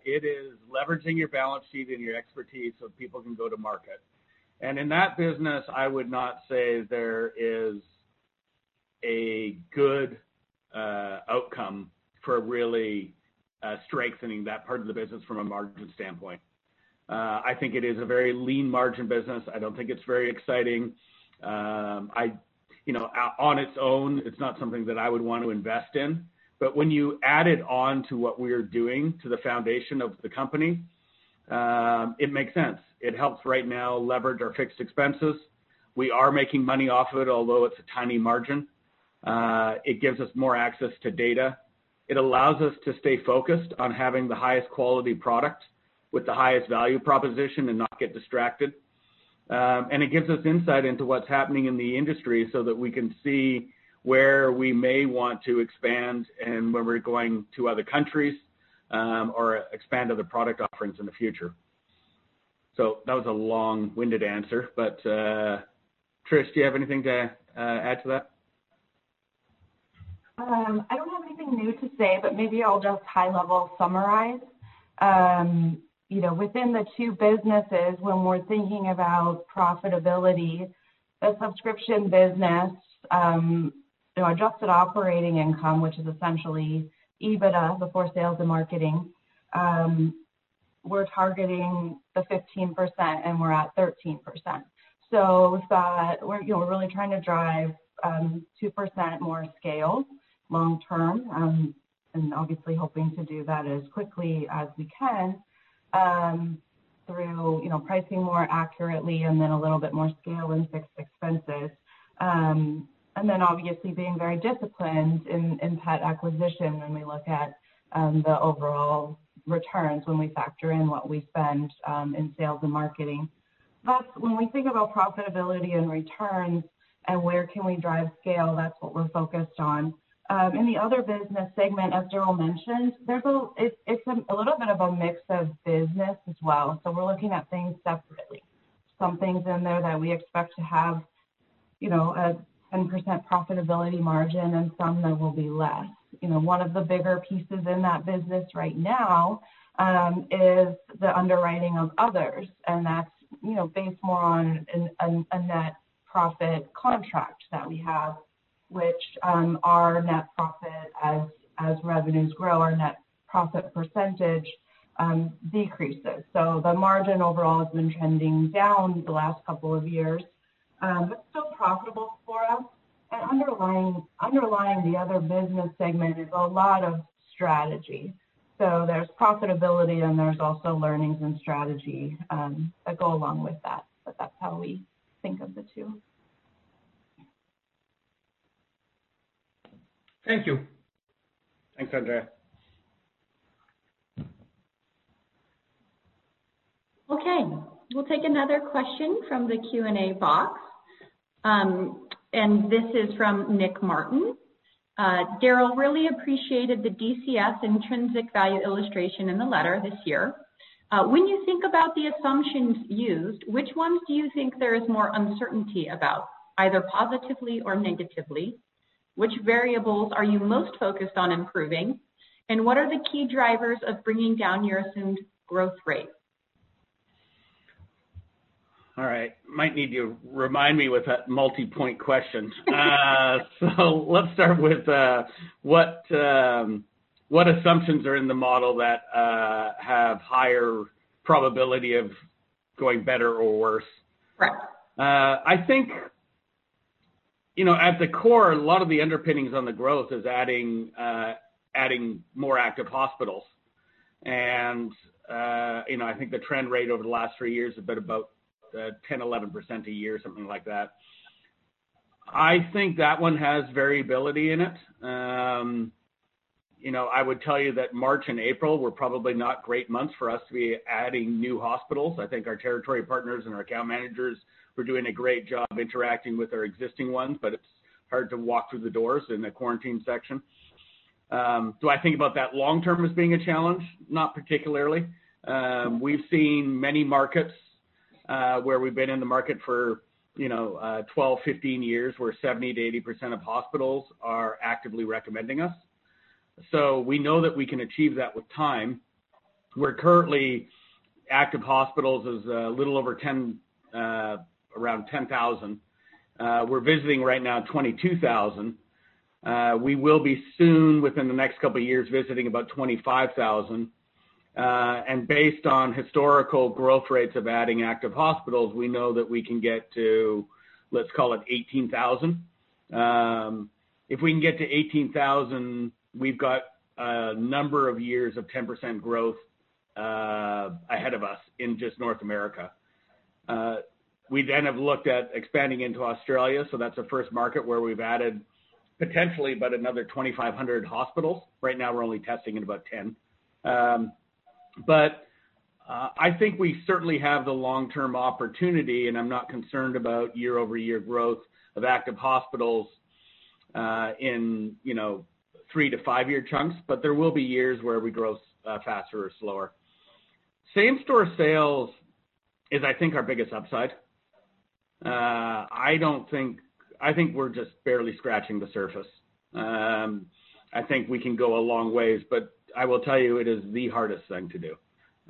It is leveraging your balance sheet and your expertise so people can go to market. And in that business, I would not say there is a good outcome for really strengthening that part of the business from a margin standpoint. I think it is a very lean margin business. I don't think it's very exciting. On its own, it's not something that I would want to invest in. But when you add it on to what we are doing to the foundation of the company, it makes sense. It helps right now leverage our fixed expenses. We are making money off of it, although it's a tiny margin. It gives us more access to data. It allows us to stay focused on having the highest quality product with the highest value proposition and not get distracted. And it gives us insight into what's happening in the industry so that we can see where we may want to expand and when we're going to other countries or expand other product offerings in the future. So that was a long-winded answer. But Trish, do you have anything to add to that? I don't have anything new to say, but maybe I'll just high-level summarize. Within the two businesses, when we're thinking about profitability, the Subscription Business, Adjusted Operating Income, which is essentially EBITDA before sales and marketing, we're targeting 15%, and we're at 13%, so we're really trying to drive 2% more scale long-term and obviously hoping to do that as quickly as we can through pricing more accurately and then a little bit more scale and fixed expenses, and then obviously being very disciplined in pet acquisition when we look at the overall returns when we factor in what we spend in sales and marketing, but when we think about profitability and returns and where can we drive scale, that's what we're focused on. In the Other Business segment, as Darryl mentioned, it's a little bit of a mix of business as well. So we're looking at things separately. Some things in there that we expect to have a 10% profitability margin and some that will be less. One of the bigger pieces in that business right now is the underwriting of others, and that's based more on a net profit contract that we have, which our net profit, as revenues grow, our net profit percentage decreases, so the margin overall has been trending down the last couple of years, but still profitable for us, and underlying the Other Business segment is a lot of strategy, so there's profitability, and there's also learnings and strategy that go along with that, but that's how we think of the two. Thank you. Thanks, Andrea. Okay. We'll take another question from the Q&A box, and this is from Nick Martin. Darryl really appreciated the DCF intrinsic value illustration in the letter this year. When you think about the assumptions used, which ones do you think there is more uncertainty about, either positively or negatively? Which variables are you most focused on improving? And what are the key drivers of bringing down your assumed growth rate? All right. Might need you to remind me with multi-point questions. So let's start with what assumptions are in the model that have higher probability of going better or worse? Correct. I think at the core, a lot of the underpinnings on the growth is adding more Active Hospitals. And I think the trend rate over the last three years has been about 10%, 11% a year, something like that. I think that one has variability in it. I would tell you that March and April were probably not great months for us to be adding new hospitals. I think our Territory Partners and our account managers were doing a great job interacting with our existing ones, but it's hard to walk through the doors in the quarantine section. Do I think about that long-term as being a challenge? Not particularly. We've seen many markets where we've been in the market for 12-15 years where 70%-80% of hospitals are actively recommending us. So we know that we can achieve that with time. Our current Active Hospitals is a little over 10,000, around 10,000. We're visiting right now 22,000. We will be soon, within the next couple of years, visiting about 25,000, and based on historical growth rates of adding Active Hospitals, we know that we can get to, let's call it 18,000. If we can get to 18,000, we've got a number of years of 10% growth ahead of us in just North America. We then have looked at expanding into Australia, so that's the first market where we've added potentially about another 2,500 hospitals. Right now, we're only testing at about 10,000, but I think we certainly have the long-term opportunity, and I'm not concerned about year-over-year growth of Active Hospitals in three to five-year chunks, but there will be years where we grow faster or slower. Same-store sales is, I think, our biggest upside. I think we're just barely scratching the surface. I think we can go a long ways, but I will tell you it is the hardest thing to do.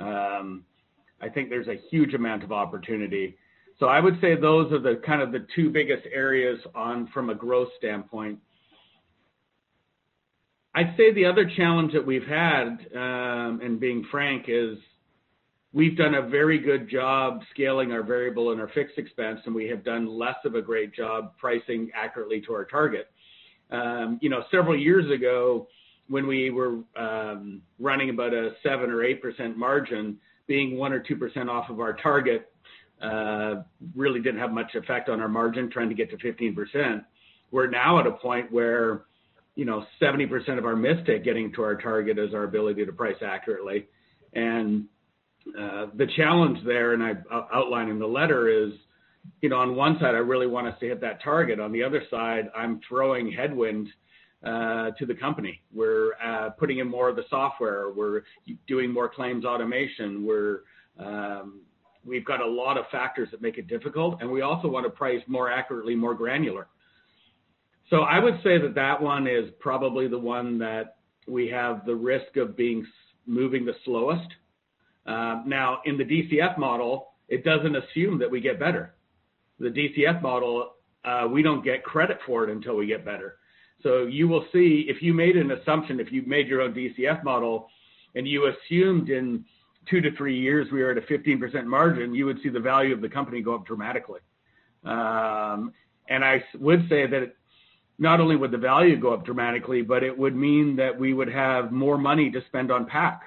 I think there's a huge amount of opportunity. So I would say those are kind of the two biggest areas from a growth standpoint. I'd say the other challenge that we've had, and being frank, is we've done a very good job scaling our variable and our fixed expense, and we have done less of a great job pricing accurately to our target. Several years ago, when we were running about a 7% or 8% margin, being 1% or 2% off of our target really didn't have much effect on our margin trying to get to 15%. We're now at a point where 70% of our mistake getting to our target is our ability to price accurately. The challenge there, and I'm outlining the letter, is on one side. I really want us to hit that target. On the other side, I'm throwing headwinds to the company. We're putting in more of the software. We're doing more claims automation. We've got a lot of factors that make it difficult, and we also want to price more accurately, more granular. So I would say that that one is probably the one that we have the risk of being moving the slowest. Now, in the DCF model, it doesn't assume that we get better. The DCF model, we don't get credit for it until we get better. So you will see if you made an assumption, if you made your own DCF model and you assumed in two to three years we were at a 15% margin, you would see the value of the company go up dramatically. And I would say that not only would the value go up dramatically, but it would mean that we would have more money to spend on PAC.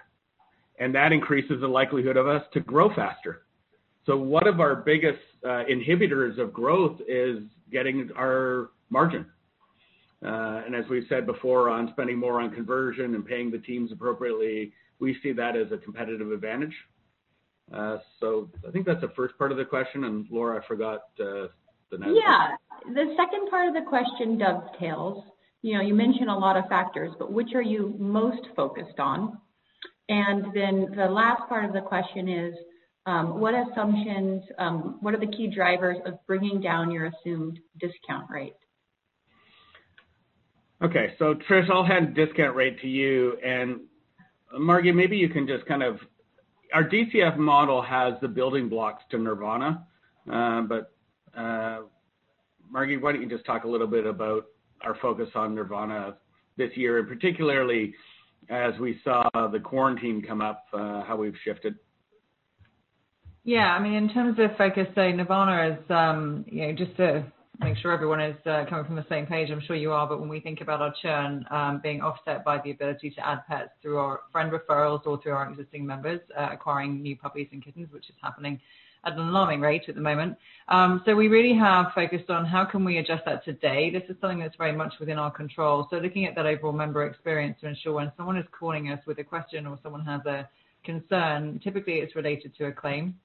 And that increases the likelihood of us to grow faster. So one of our biggest inhibitors of growth is getting our margin. And as we've said before, on spending more on conversion and paying the teams appropriately, we see that as a competitive advantage. So I think that's the first part of the question. And Laura, I forgot the next one. Yeah. The second part of the question dovetails. You mentioned a lot of factors, but which are you most focused on? And then the last part of the question is, what assumptions, what are the key drivers of bringing down your assumed discount rate? Okay. So Trish, I'll hand the discount rate to you. And Margi, maybe you can just kind of our DCF model has the building blocks to Nirvana. But Margi, why don't you just talk a little bit about our focus on Nirvana this year, and particularly as we saw the quarantine come up, how we've shifted? Yeah. I mean, in terms of, like I say, Nirvana is just to make sure everyone is coming from the same page. I'm sure you are, but when we think about our churn being offset by the ability to add pets through our friend referrals or through our existing members, acquiring new puppies and kittens, which is happening at an alarming rate at the moment, so we really have focused on how can we adjust that today. This is something that's very much within our control, so looking at that overall member experience to ensure when someone is calling us with a question or someone has a concern, typically it's related to a claim.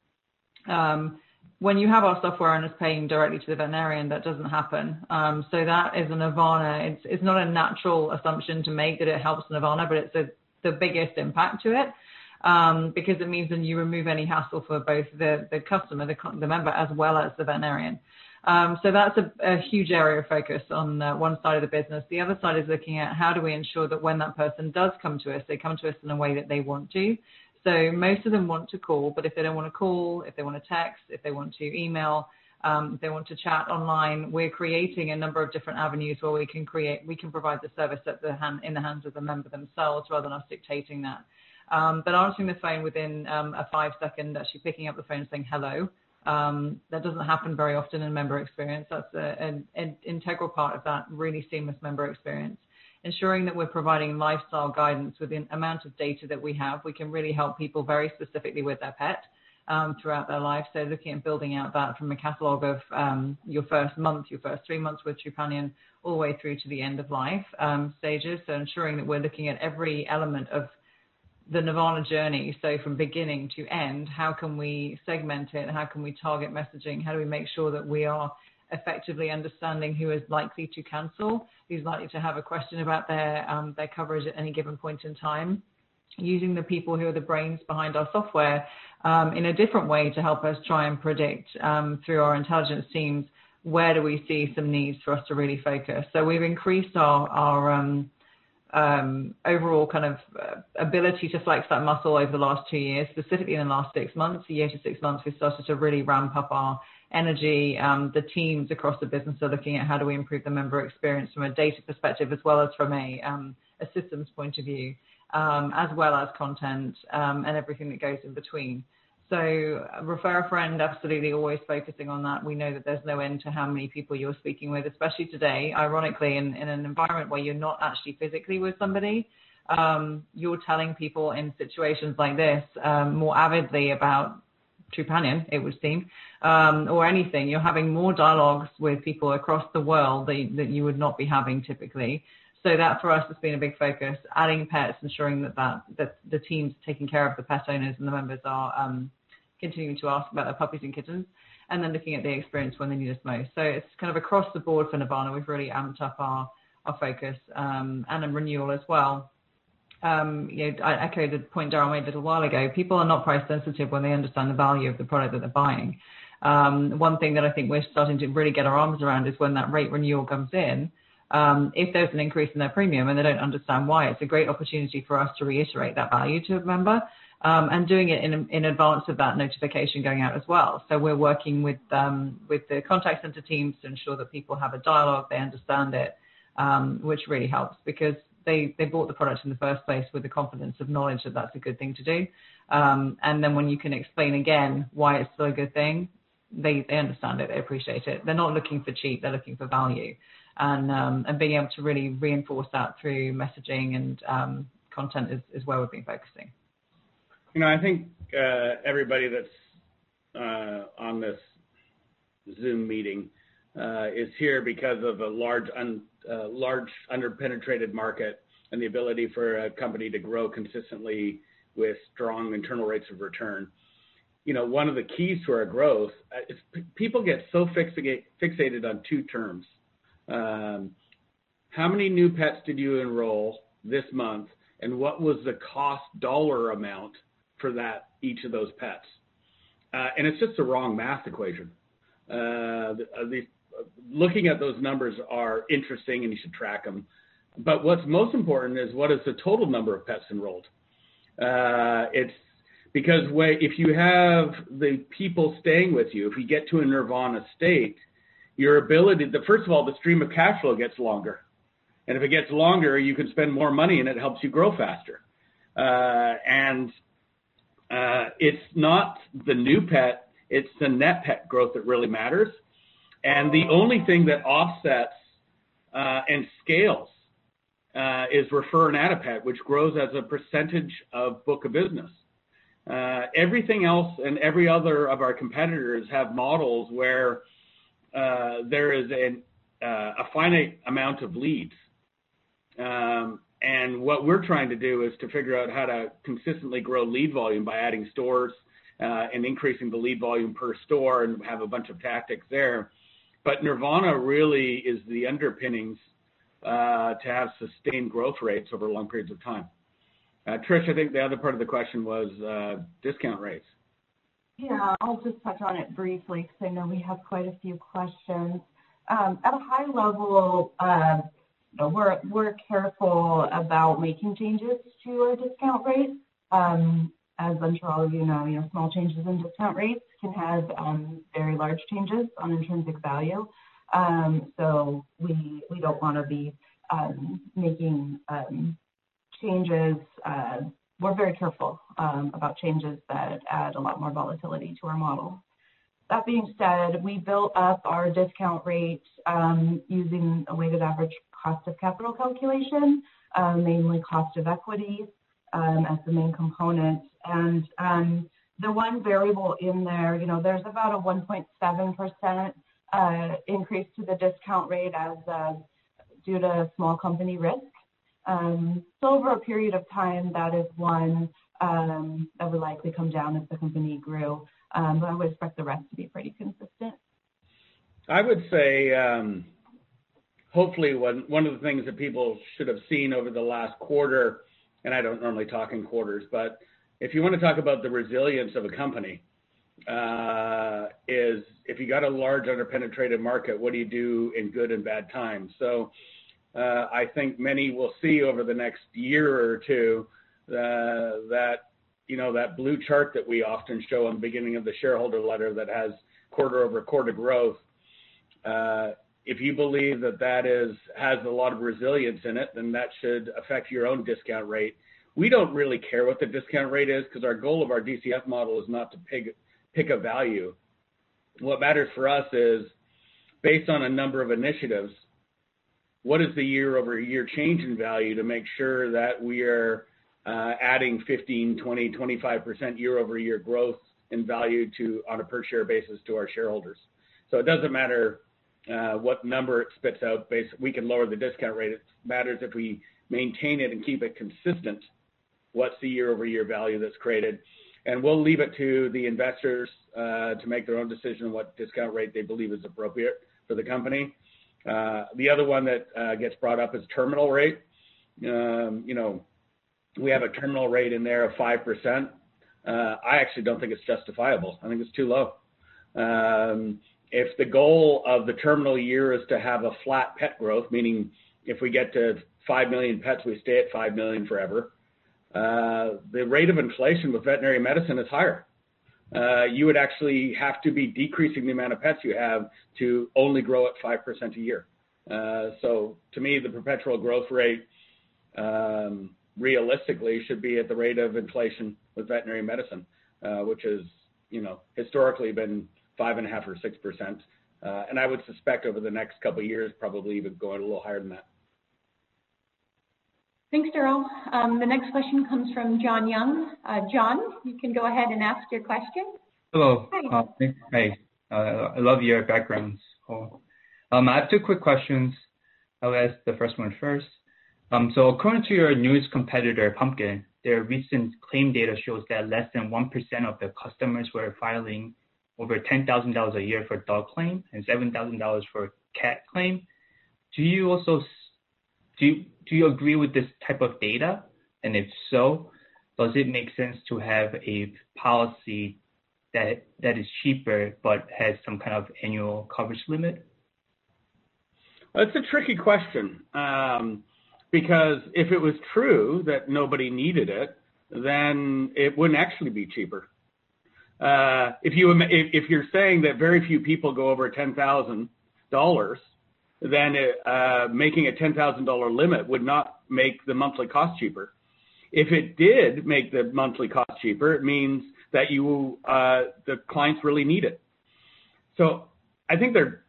When you have our software and it's paying directly to the veterinarian, that doesn't happen, so that is a Nirvana. It's not a natural assumption to make that it helps Nirvana, but it's the biggest impact to it because it means that you remove any hassle for both the customer, the member, as well as the veterinarian. So that's a huge area of focus on one side of the business. The other side is looking at how do we ensure that when that person does come to us, they come to us in a way that they want to. So most of them want to call, but if they don't want to call, if they want to text, if they want to email, if they want to chat online, we're creating a number of different avenues where we can provide the service in the hands of the member themselves rather than us dictating that. But answering the phone within a five-second, actually picking up the phone and saying hello, that doesn't happen very often in member experience. That's an integral part of that really seamless member experience. Ensuring that we're providing lifestyle guidance with the amount of data that we have, we can really help people very specifically with their pet throughout their life. So looking at building out that from a catalog of your first month, your first three months with Trupanion, all the way through to the end-of-life stages. So ensuring that we're looking at every element of the Nirvana journey. So from beginning to end, how can we segment it? How can we target messaging? How do we make sure that we are effectively understanding who is likely to cancel, who's likely to have a question about their coverage at any given point in time, using the people who are the brains behind our software in a different way to help us try and predict through our intelligence teams where do we see some needs for us to really focus? So we've increased our overall kind of ability to flex that muscle over the last two years, specifically in the last six months. A year to six months, we started to really ramp up our energy. The teams across the business are looking at how do we improve the member experience from a data perspective as well as from a systems point of view, as well as content and everything that goes in between. So refer a friend, absolutely always focusing on that. We know that there's no end to how many people you're speaking with, especially today. Ironically, in an environment where you're not actually physically with somebody, you're telling people in situations like this more avidly about Trupanion, it would seem, or anything. You're having more dialogues with people across the world than you would not be having typically. So that for us has been a big focus, adding pets, ensuring that the team's taking care of the pet owners and the members are continuing to ask about their puppies and kittens, and then looking at their experience when they need us most. It's kind of across the board for Nirvana. We've really amped up our focus and renewal as well. I echoed the point Darryl made a little while ago. People are not price-sensitive when they understand the value of the product that they're buying. One thing that I think we're starting to really get our arms around is when that rate renewal comes in, if there's an increase in their premium and they don't understand why, it's a great opportunity for us to reiterate that value to a member and doing it in advance of that notification going out as well, so we're working with the contact center teams to ensure that people have a dialogue, they understand it, which really helps because they bought the product in the first place with the confidence of knowledge that that's a good thing to do, and then when you can explain again why it's still a good thing, they understand it, they appreciate it. They're not looking for cheap, they're looking for value, and being able to really reinforce that through messaging and content is where we've been focusing. I think everybody that's on this Zoom meeting is here because of a large under-penetrated market and the ability for a company to grow consistently with strong internal rates of return. One of the keys to our growth is people get so fixated on two terms. How many new pets did you enroll this month, and what was the cost dollar amount for each of those pets? And it's just the wrong math equation. Looking at those numbers is interesting, and you should track them. But what's most important is what is the total number of pets enrolled? Because if you have the people staying with you, if we get to a Nirvana state, your ability, first of all, the stream of cash flow gets longer. And if it gets longer, you can spend more money, and it helps you grow faster. And it's not the new pet, it's the net pet growth that really matters. And the only thing that offsets and scales is refer and add a pet, which grows as a percentage of book of business. Everything else and every other of our competitors have models where there is a finite amount of leads. And what we're trying to do is to figure out how to consistently grow lead volume by adding stores and increasing the lead volume per store and have a bunch of tactics there. But Nirvana really is the underpinnings to have sustained growth rates over long periods of time. Trish, I think the other part of the question was discount rates. Yeah. I'll just touch on it briefly because I know we have quite a few questions. At a high level, we're careful about making changes to our discount rate. As I'm sure all of you know, small changes in discount rates can have very large changes on intrinsic value. So we don't want to be making changes. We're very careful about changes that add a lot more volatility to our model. That being said, we built up our discount rate using a weighted average cost of capital calculation, mainly cost of equity as the main component. And the one variable in there, there's about a 1.7% increase to the discount rate due to small company risk. So over a period of time, that is one that would likely come down if the company grew. But I would expect the rest to be pretty consistent. I would say hopefully one of the things that people should have seen over the last quarter, and I don't normally talk in quarters, but if you want to talk about the resilience of a company, is if you got a large under-penetrated market, what do you do in good and bad times? so I think many will see over the next year or two that blue chart that we often show on the beginning of the shareholder letter that has quarter over quarter growth. If you believe that that has a lot of resilience in it, then that should affect your own discount rate. We don't really care what the discount rate is because our goal of our DCF model is not to pick a value. What matters for us is based on a number of initiatives, what is the year-over-year change in value to make sure that we are adding 15%, 20%, 25% year-over-year growth in value on a per-share basis to our shareholders? So it doesn't matter what number it spits out. We can lower the discount rate. It matters if we maintain it and keep it consistent, what's the year-over-year value that's created, and we'll leave it to the investors to make their own decision on what discount rate they believe is appropriate for the company. The other one that gets brought up is terminal rate. We have a terminal rate in there of 5%. I actually don't think it's justifiable. I think it's too low. If the goal of the terminal year is to have a flat pet growth, meaning if we get to 5 million pets, we stay at 5 million forever, the rate of inflation with veterinary medicine is higher. You would actually have to be decreasing the amount of pets you have to only grow at 5% a year. So to me, the perpetual growth rate realistically should be at the rate of inflation with veterinary medicine, which has historically been 5.5% or 6%. And I would suspect over the next couple of years, probably even going a little higher than that. Thanks, Darryl. The next question comes from John Young. John, you can go ahead and ask your question. Hello. Hi. Hey. I love your background. I have two quick questions. I'll ask the first one first. So according to your newest competitor, Pumpkin, their recent claim data shows that less than 1% of their customers were filing over $10,000 a year for dog claim and $7,000 for cat claim. Do you agree with this type of data? And if so, does it make sense to have a policy that is cheaper but has some kind of annual coverage limit? It's a tricky question because if it was true that nobody needed it, then it wouldn't actually be cheaper. If you're saying that very few people go over $10,000, then making a $10,000 limit would not make the monthly cost cheaper. If it did make the monthly cost cheaper, it means that the clients really need it. So I think they're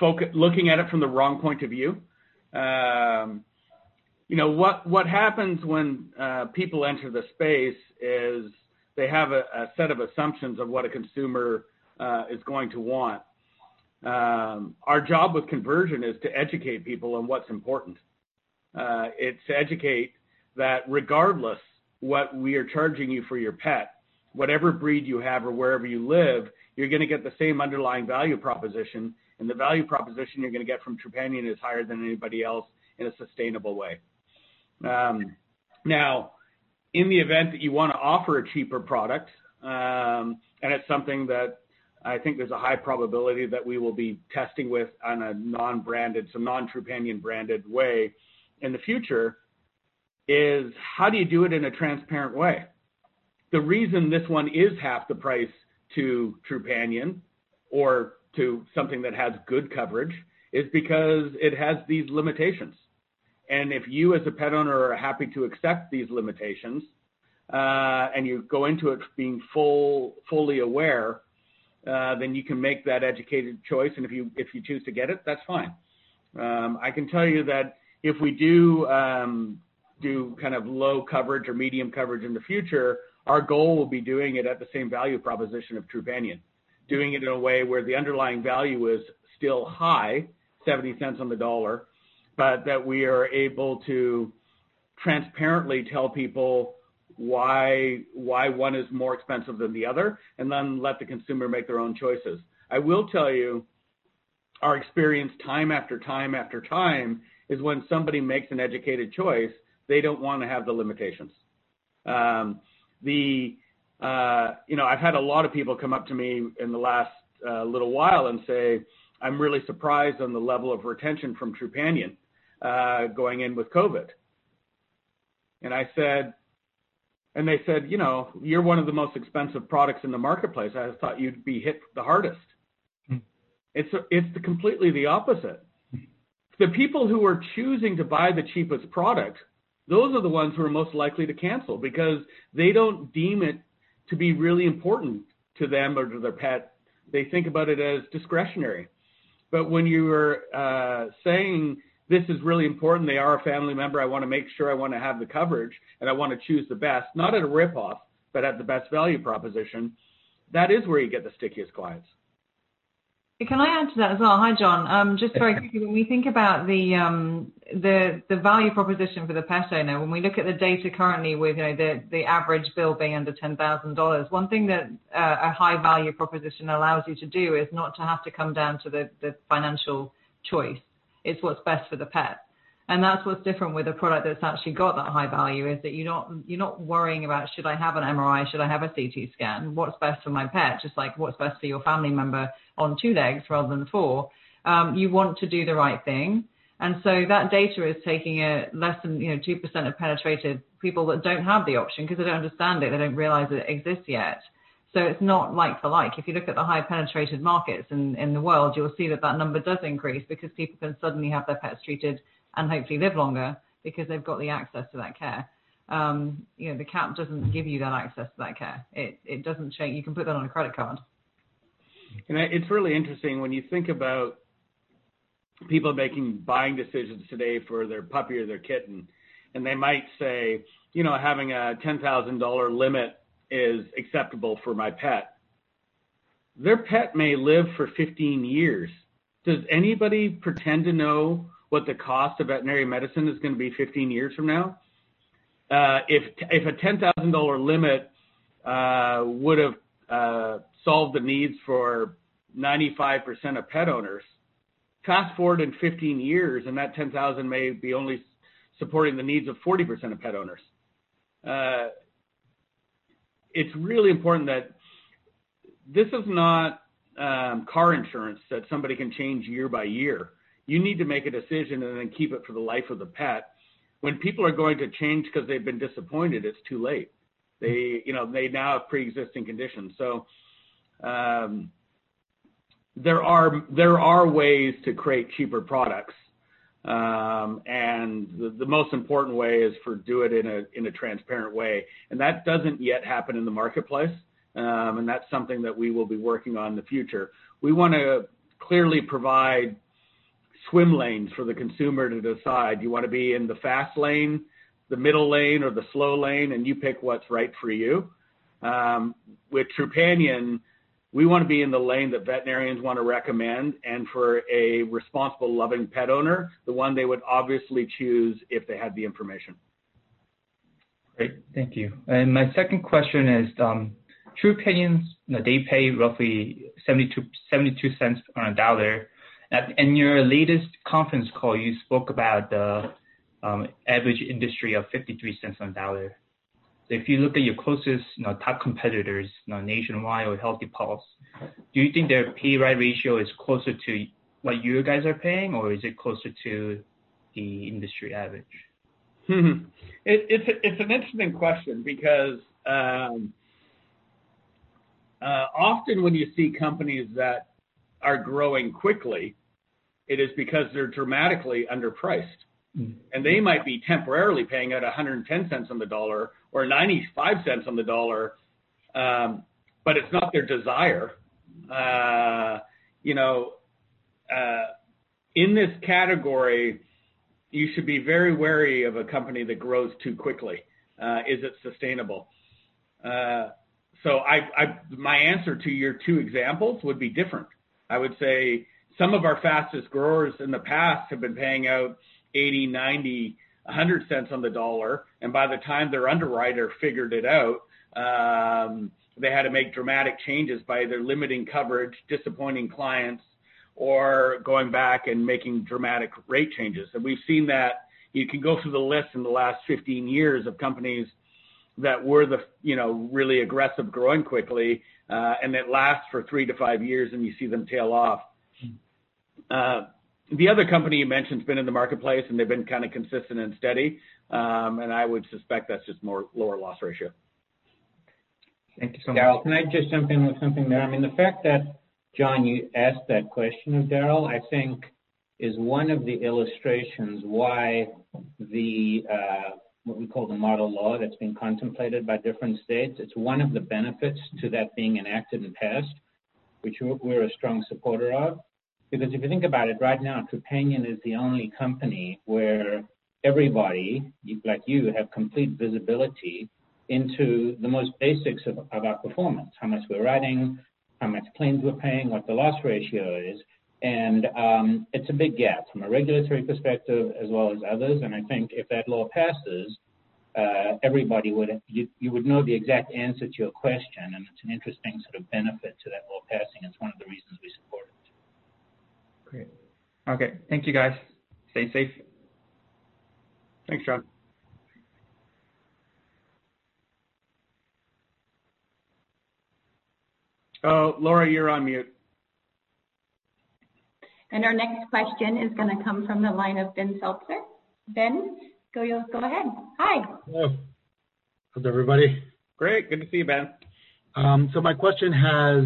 looking at it from the wrong point of view. What happens when people enter the space is they have a set of assumptions of what a consumer is going to want. Our job with conversion is to educate people on what's important. It's to educate that regardless of what we are charging you for your pet, whatever breed you have or wherever you live, you're going to get the same underlying value proposition. And the value proposition you're going to get from Trupanion is higher than anybody else in a sustainable way. Now, in the event that you want to offer a cheaper product, and it's something that I think there's a high probability that we will be testing with on a non-branded, some non-Trupanion branded way in the future, is how do you do it in a transparent way? The reason this one is half the price to Trupanion or to something that has good coverage is because it has these limitations. And if you as a pet owner are happy to accept these limitations and you go into it being fully aware, then you can make that educated choice. And if you choose to get it, that's fine. I can tell you that if we do do kind of low coverage or medium coverage in the future, our goal will be doing it at the same value proposition of Trupanion, doing it in a way where the underlying value is still high, $0.70 on the dollar, but that we are able to transparently tell people why one is more expensive than the other, and then let the consumer make their own choices. I will tell you our experience time after time after time is when somebody makes an educated choice, they don't want to have the limitations. I've had a lot of people come up to me in the last little while and say, "I'm really surprised on the level of retention from Trupanion going in with COVID." And they said, "You're one of the most expensive products in the marketplace. I thought you'd be hit the hardest." It's completely the opposite. The people who are choosing to buy the cheapest product, those are the ones who are most likely to cancel because they don't deem it to be really important to them or to their pet. They think about it as discretionary. But when you are saying, "This is really important, they are a family member, I want to make sure I want to have the coverage, and I want to choose the best," not at a rip-off, but at the best value proposition, that is where you get the stickiest clients. Can I add to that as well? Hi, John. Just very quickly, when we think about the value proposition for the pet owner, when we look at the data currently with the average bill being under $10,000, one thing that a high value proposition allows you to do is not to have to come down to the financial choice. It's what's best for the pet. And that's what's different with a product that's actually got that high value is that you're not worrying about, "Should I have an MRI? Should I have a CT scan? What's best for my pet?" Just like what's best for your family member on two legs rather than four. You want to do the right thing. And so that data is taking less than 2% of penetrated people that don't have the option because they don't understand it. They don't realize it exists yet. So it's not like for like. If you look at the high penetrated markets in the world, you'll see that that number does increase because people can suddenly have their pets treated and hopefully live longer because they've got the access to that care. The cat doesn't give you that access to that care. You can put that on a credit card. It's really interesting when you think about people making buying decisions today for their puppy or their kitten, and they might say, "Having a $10,000 limit is acceptable for my pet." Their pet may live for 15 years. Does anybody pretend to know what the cost of veterinary medicine is going to be 15 years from now? If a $10,000 limit would have solved the needs for 95% of pet owners, fast forward in 15 years, and that $10,000 may be only supporting the needs of 40% of pet owners. It's really important that this is not car insurance that somebody can change year-by-year. You need to make a decision and then keep it for the life of the pet. When people are going to change because they've been disappointed, it's too late. They now have pre-existing conditions. So there are ways to create cheaper products. And the most important way is to do it in a transparent way. And that doesn't yet happen in the marketplace. And that's something that we will be working on in the future. We want to clearly provide swim lanes for the consumer to decide. You want to be in the fast lane, the middle lane, or the slow lane, and you pick what's right for you. With Trupanion, we want to be in the lane that veterinarians want to recommend. And for a responsible, loving pet owner, the one they would obviously choose if they had the information. Great. Thank you, and my second question is, Trupanion, they pay roughly $0.72 on a dollar. At your latest conference call, you spoke about the industry average of $0.53 on a dollar. So if you look at your closest top competitors, Nationwide or Healthy Paws, do you think their payout ratio is closer to what you guys are paying, or is it closer to the industry average? It's an interesting question because often when you see companies that are growing quickly, it is because they're dramatically underpriced. And they might be temporarily paying out $1.10 on the dollar or $0.95 on the dollar, but it's not their desire. In this category, you should be very wary of a company that grows too quickly. Is it sustainable? So my answer to your two examples would be different. I would say some of our fastest growers in the past have been paying out $0.80, $0.90, $0.1 on the dollar. And by the time their underwriter figured it out, they had to make dramatic changes by either limiting coverage, disappointing clients, or going back and making dramatic rate changes. And we've seen that. You can go through the list in the last 15 years of companies that were really aggressive, growing quickly, and it lasts for three to five years, and you see them tail off. The other company you mentioned has been in the marketplace, and they've been kind of consistent and steady. And I would suspect that's just more lower loss ratio. Thank you so much. Darryl, can I just jump in with something there? I mean, the fact that John, you asked that question of Darryl, I think is one of the illustrations why the what we call the Model Law that's been contemplated by different states, it's one of the benefits to that being enacted in the past, which we're a strong supporter of. Because if you think about it right now, Trupanion is the only company where everybody like you have complete visibility into the most basics of our performance: how much we're writing, how much claims we're paying, what the loss ratio is. And it's a big gap from a regulatory perspective as well as others. And I think if that law passes, everybody, you would know the exact answer to your question. And it's an interesting sort of benefit to that law passing. It's one of the reasons we support it. Great. Okay. Thank you, guys. Stay safe. Thanks, John. Laura, you're on mute. Our next question is going to come from the line of Ben Seltzer. Ben, go ahead. Hi. Hello. How's everybody? Great. Good to see you, Ben. My question has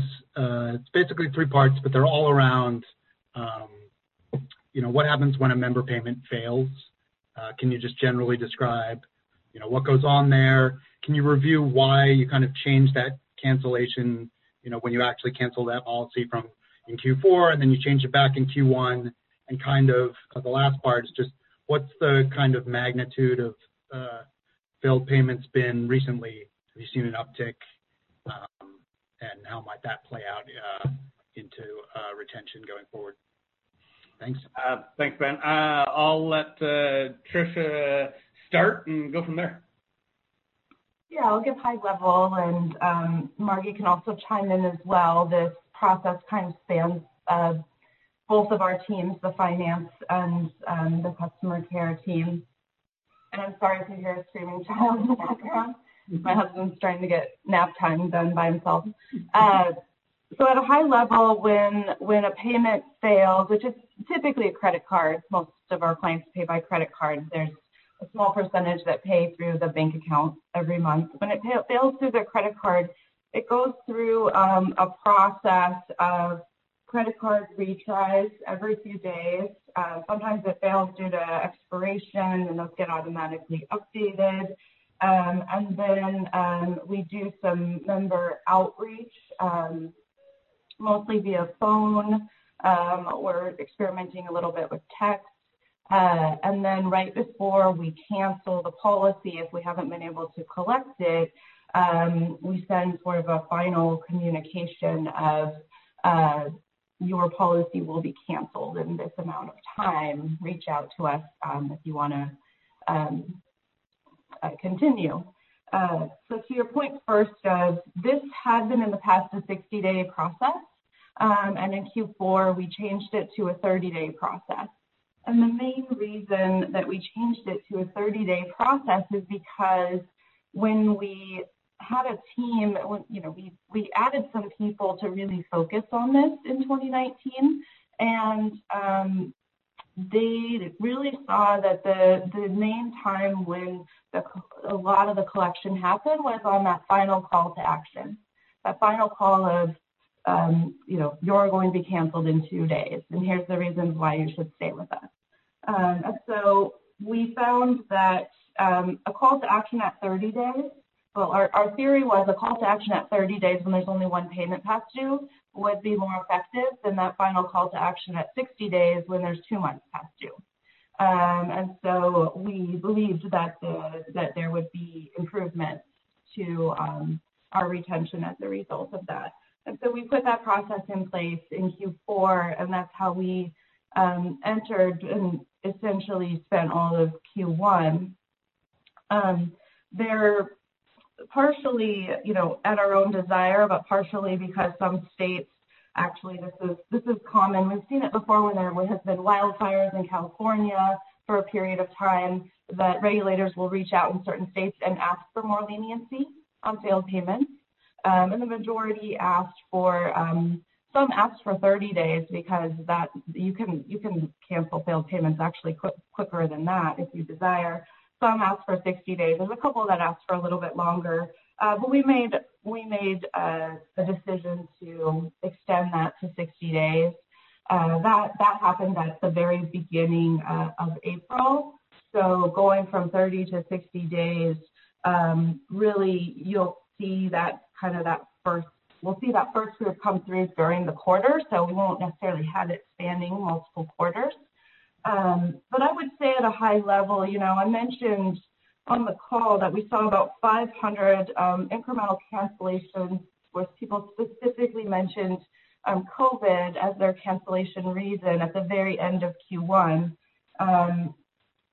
its basically three parts, but they're all around what happens when a member payment fails. Can you just generally describe what goes on there? Can you review why you kind of changed that cancellation when you actually canceled that policy in Q4, and then you changed it back in Q1? And kind of the last part is just what's the kind of magnitude of failed payments been recently? Have you seen an uptick? And how might that play out into retention going forward? Thanks. Thanks, Ben. I'll let Tricia start and go from there. Yeah. I'll give high level. And Margi can also chime in as well. This process kind of spans both of our teams, the finance and the customer care team. And I'm sorry if you hear a screaming child in the background. My husband's trying to get nap time done by himself. So at a high level, when a payment fails, which is typically a credit card, most of our clients pay by credit card. There's a small percentage that pay through the bank account every month. When it fails through their credit card, it goes through a process of credit card retries every few days. Sometimes it fails due to expiration, and those get automatically updated. And then we do some member outreach, mostly via phone. We're experimenting a little bit with text. And then right before we cancel the policy, if we haven't been able to collect it, we send sort of a final communication of, "Your policy will be canceled in this amount of time. Reach out to us if you want to continue," so to your point first, this had been in the past a 60-day process, and in Q4, we changed it to a 30-day process, and the main reason that we changed it to a 30-day process is because when we had a team, we added some people to really focus on this in 2019, and they really saw that the main time when a lot of the collection happened was on that final call to action, that final call of, "You're going to be canceled in two days. And here's the reasons why you should stay with us." And so we found that a call to action at 30 days, well, our theory was a call to action at 30 days when there's only one payment past due, would be more effective than that final call to action at 60 days when there's two months past due. And so we believed that there would be improvement to our retention as a result of that. And so we put that process in place in Q4. And that's how we entered and essentially spent all of Q1. They're partially at our own desire, but partially because some states, actually, this is common. We've seen it before when there have been wildfires in California for a period of time that regulators will reach out in certain states and ask for more leniency on failed payments. And the majority asked for, some asked for 30 days because you can cancel failed payments actually quicker than that if you desire. Some asked for 60 days. There's a couple that asked for a little bit longer. But we made a decision to extend that to 60 days. That happened at the very beginning of April. So going from 30-60 days, really, you'll see that kind of, we'll see that first group come through during the quarter. So we won't necessarily have it spanning multiple quarters. But I would say at a high level, I mentioned on the call that we saw about 500 incremental cancellations with people specifically mentioned COVID as their cancellation reason at the very end of Q1.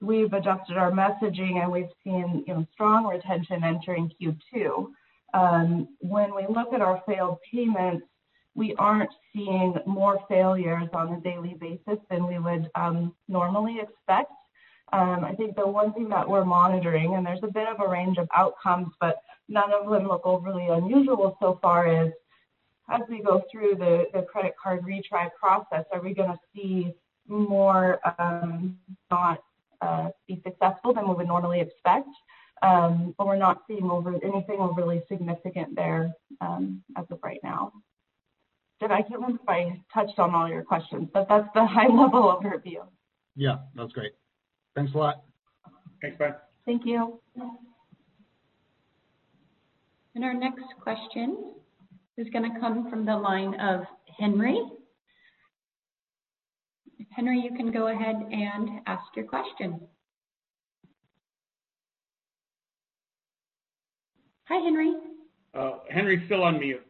We've adjusted our messaging, and we've seen strong retention entering Q2. When we look at our failed payments, we aren't seeing more failures on a daily basis than we would normally expect. I think the one thing that we're monitoring (and there's a bit of a range of outcomes, but none of them look overly unusual so far) is as we go through the credit card retry process, are we going to see more not be successful than we would normally expect? But we're not seeing anything overly significant there as of right now. I can't remember if I touched on all your questions, but that's the high-level overview. Yeah. That's great. Thanks a lot. Thanks, Ben. Thank you. And our next question is going to come from the line of Henry. Henry, you can go ahead and ask your question. Hi, Henry. Henry's still on mute.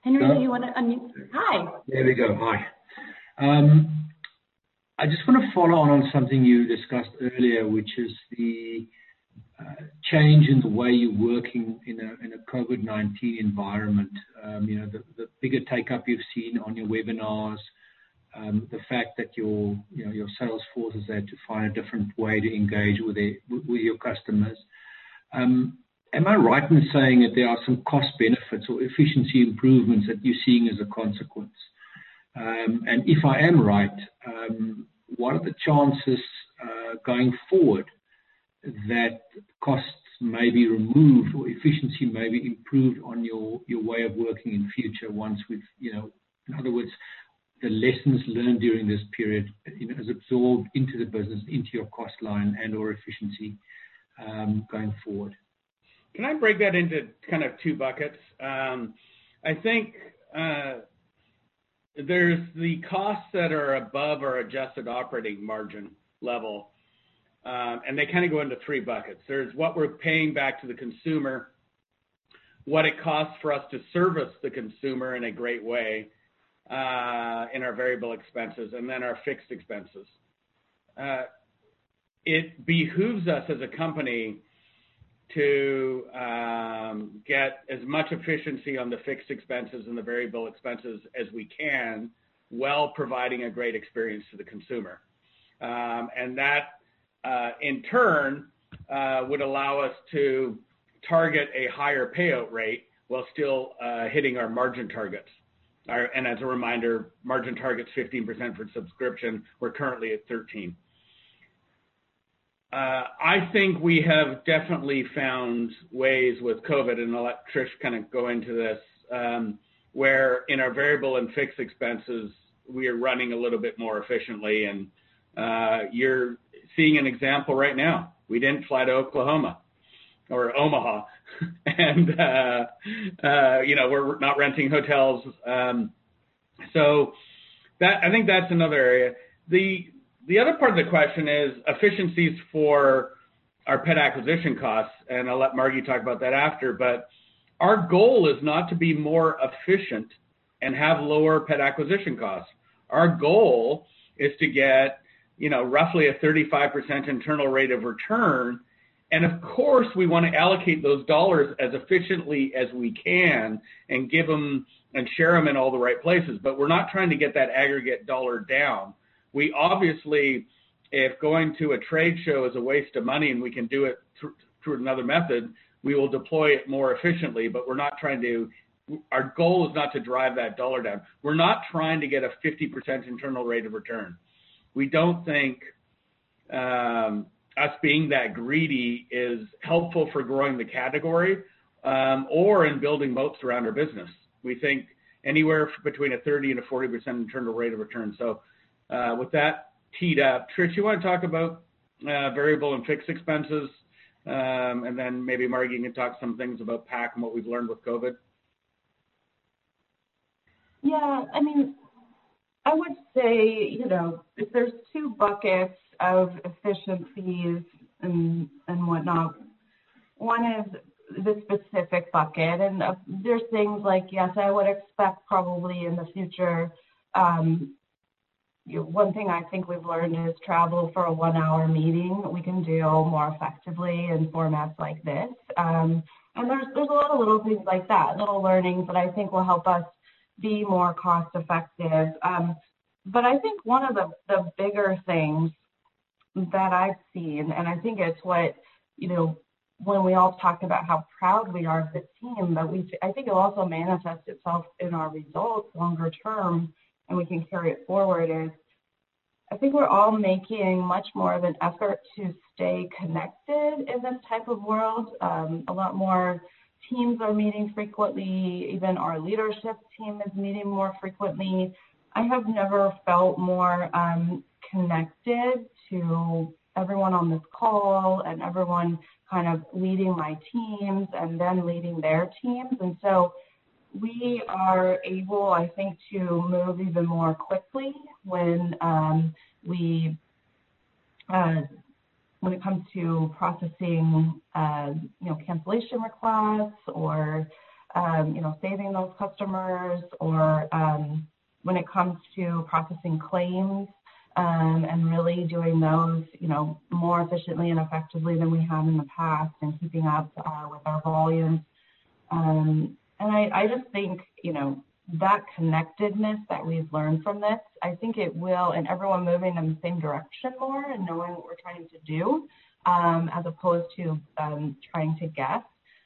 Henry, do you want to unmute? Hi. There we go. Hi. I just want to follow on something you discussed earlier, which is the change in the way you're working in a COVID-19 environment, the bigger take-up you've seen on your webinars, the fact that your sales force has had to find a different way to engage with your customers. Am I right in saying that there are some cost benefits or efficiency improvements that you're seeing as a consequence? And if I am right, what are the chances going forward that costs may be removed or efficiency may be improved on your way of working in future once, in other words, the lessons learned during this period is absorbed into the business, into your cost line and/or efficiency going forward? Can I break that into kind of two buckets? I think there's the costs that are above our adjusted operating margin level. And they kind of go into three buckets. There's what we're paying back to the consumer, what it costs for us to service the consumer in a great way in our variable expenses, and then our fixed expenses. It behooves us as a company to get as much efficiency on the fixed expenses and the variable expenses as we can, while providing a great experience to the consumer. And that, in turn, would allow us to target a higher payout rate while still hitting our margin targets. And as a reminder, margin target's 15% for subscription. We're currently at 13%. I think we have definitely found ways with COVID, and I'll let Trish kind of go into this, where in our variable and fixed expenses, we are running a little bit more efficiently, and you're seeing an example right now. We didn't fly to Oklahoma or Omaha, and we're not renting hotels. So I think that's another area. The other part of the question is efficiencies for our pet acquisition costs, and I'll let Margi talk about that after. But our goal is not to be more efficient and have lower pet acquisition costs. Our goal is to get roughly a 35% internal rate of return. And of course, we want to allocate those dollars as efficiently as we can and share them in all the right places. But we're not trying to get that aggregate dollar down. We obviously, if going to a trade show is a waste of money and we can do it through another method, we will deploy it more efficiently. But we're not trying to, our goal is not to drive that dollar down. We're not trying to get a 50% internal rate of return. We don't think us being that greedy is helpful for growing the category or in building moats around our business. We think anywhere between 30% and 40% internal rate of return. So with that teed up, Trish, you want to talk about variable and fixed expenses? And then maybe Margi can talk some things about PAC and what we've learned with COVID. Yeah. I mean, I would say if there's two buckets of efficiencies and whatnot, one is the specific bucket. And there's things like, yes, I would expect probably in the future. One thing I think we've learned is travel for a one-hour meeting we can do more effectively in formats like this. And there's a lot of little things like that, little learnings that I think will help us be more cost-effective. But I think one of the bigger things that I've seen, and I think it's what when we all talk about how proud we are of the team, but I think it also manifests itself in our results longer term, and we can carry it forward, is I think we're all making much more of an effort to stay connected in this type of world. A lot more teams are meeting frequently. Even our leadership team is meeting more frequently. I have never felt more connected to everyone on this call and everyone kind of leading my teams and them leading their teams, and so we are able, I think, to move even more quickly when it comes to processing cancellation requests or saving those customers or when it comes to processing claims and really doing those more efficiently and effectively than we have in the past and keeping up with our volumes, and I just think that connectedness that we've learned from this, I think it will, and everyone moving in the same direction more and knowing what we're trying to do as opposed to trying to guess,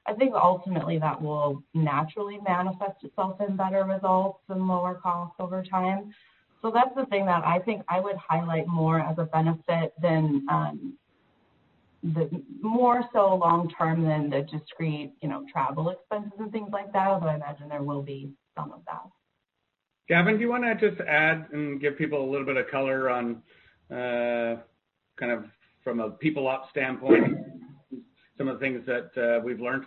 I think ultimately that will naturally manifest itself in better results and lower costs over time. So that's the thing that I think I would highlight more as a benefit more so long-term than the discrete travel expenses and things like that. But I imagine there will be some of that. Gavin, do you want to just add and give people a little bit of color on kind of from a People Ops standpoint, some of the things that we've learned?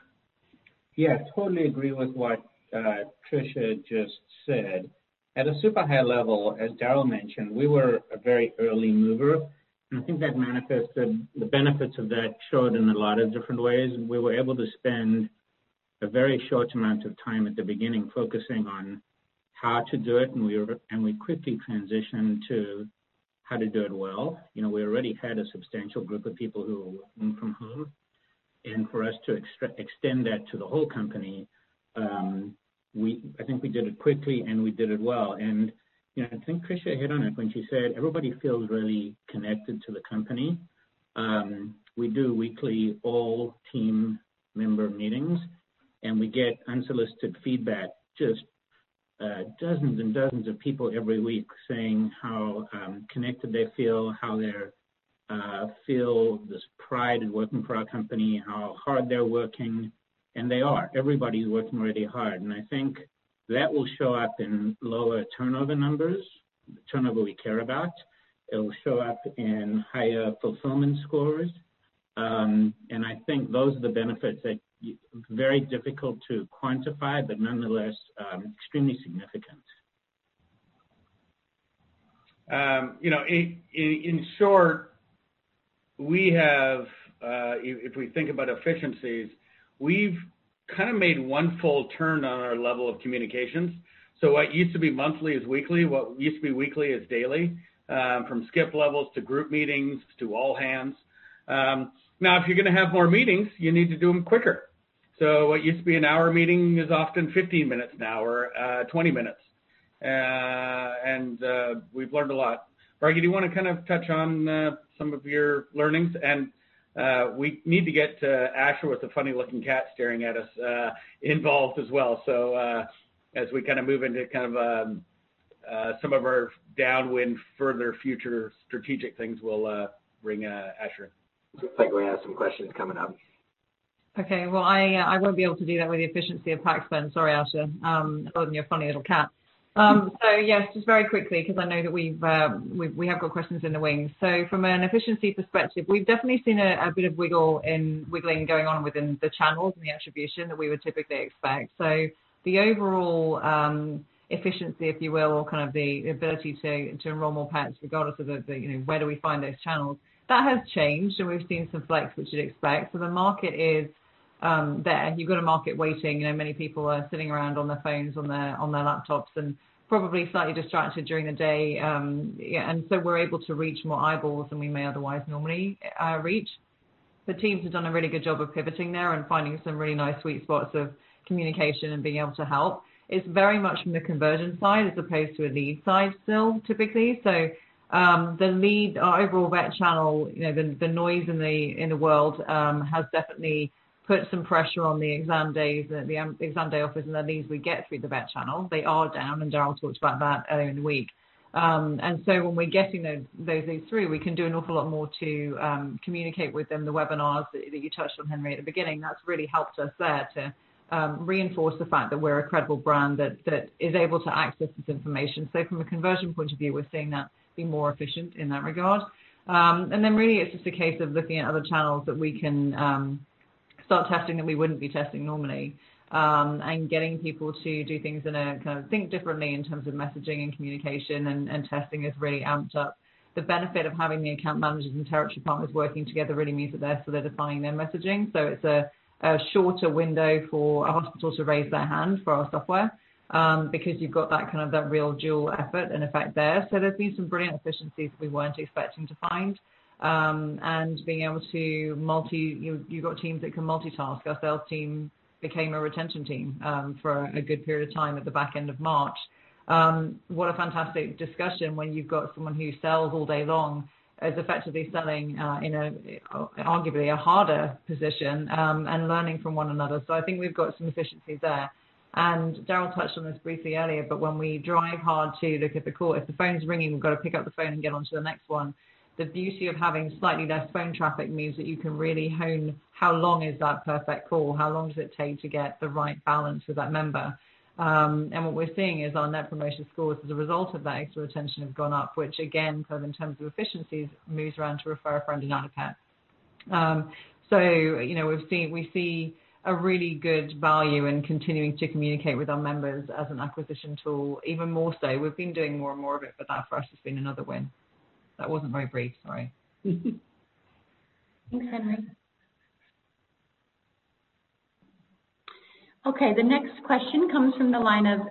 Yeah. Totally agree with what Tricia just said. At a super high level, as Darryl mentioned, we were a very early mover. And I think that manifested the benefits of that showed in a lot of different ways. We were able to spend a very short amount of time at the beginning focusing on how to do it. And we quickly transitioned to how to do it well. We already had a substantial group of people who knew from whom. And for us to extend that to the whole company, I think we did it quickly, and we did it well. And I think Tricia hit on it when she said everybody feels really connected to the company. We do weekly all-team member meetings. We get unsolicited feedback, just dozens and dozens of people every week saying how connected they feel, how they feel this pride in working for our company, how hard they're working. They are. Everybody's working really hard. I think that will show up in lower turnover numbers, turnover we care about. It will show up in higher fulfillment scores. I think those are the benefits that are very difficult to quantify, but nonetheless extremely significant. In short, we have, if we think about efficiencies, we've kind of made one full turn on our level of communications. So what used to be monthly is weekly. What used to be weekly is daily, from skip levels to group meetings to all hands. Now, if you're going to have more meetings, you need to do them quicker. So what used to be an hour meeting is often 15 minutes now or 20 minutes. And we've learned a lot. Margi, do you want to kind of touch on some of your learnings? And we need to get Asher with the funny-looking cat staring at us involved as well. So as we kind of move into kind of some of our downwind further future strategic things, we'll bring Asher. I think we have some questions coming up. Okay. Well, I won't be able to do that with the efficiency of PAC spend. Sorry, Asher. Oh, and your funny little cat. So yes, just very quickly because I know that we have got questions in the wings. So from an efficiency perspective, we've definitely seen a bit of wiggling going on within the channels and the attribution that we would typically expect. So the overall efficiency, if you will, or kind of the ability to enroll more pets regardless of where do we find those channels, that has changed. And we've seen some flex, which you'd expect. So the market is there. You've got a market waiting. Many people are sitting around on their phones, on their laptops, and probably slightly distracted during the day. And so we're able to reach more eyeballs than we may otherwise normally reach. The teams have done a really good job of pivoting there and finding some really nice sweet spots of communication and being able to help. It's very much from the conversion side as opposed to a lead side still, typically. The lead, our overall vet channel, the noise in the world has definitely put some pressure on the exam days and the Exam Day Offer, and that means we get through the vet channel. They are down, and Darryl talked about that earlier in the week. When we're getting those leads through, we can do an awful lot more to communicate with them. The webinars that you touched on, Henry, at the beginning, that's really helped us there to reinforce the fact that we're a credible brand that is able to access this information. So from a conversion point of view, we're seeing that be more efficient in that regard. And then really, it's just a case of looking at other channels that we can start testing that we wouldn't be testing normally and getting people to do things in a kind of think differently in terms of messaging and communication and testing has really amped up. The benefit of having the account managers and Territory Partners working together really means that they're solidifying their messaging. So it's a shorter window for a hospital to raise their hand for our software because you've got that kind of real dual effort and effect there. So there's been some brilliant efficiencies that we weren't expecting to find. And being able to, you've got teams that can multitask. Our sales team became a retention team for a good period of time at the back end of March. What a fantastic discussion when you've got someone who sells all day long is effectively selling in arguably a harder position and learning from one another. So I think we've got some efficiencies there. And Darryl touched on this briefly earlier, but when we drive hard to look at the call, if the phone's ringing, we've got to pick up the phone and get on to the next one. The beauty of having slightly less phone traffic means that you can really hone how long is that perfect call? How long does it take to get the right balance with that member? And what we're seeing is our Net Promoter Scores as a result of that extra attention have gone up, which again, kind of in terms of efficiencies, moves around to refer a friend and add a pet. So we see a really good value in continuing to communicate with our members as an acquisition tool, even more so. We've been doing more and more of it, but that for us has been another win. That wasn't very brief. Sorry. Thanks, Henry. Okay. The next question comes from the line of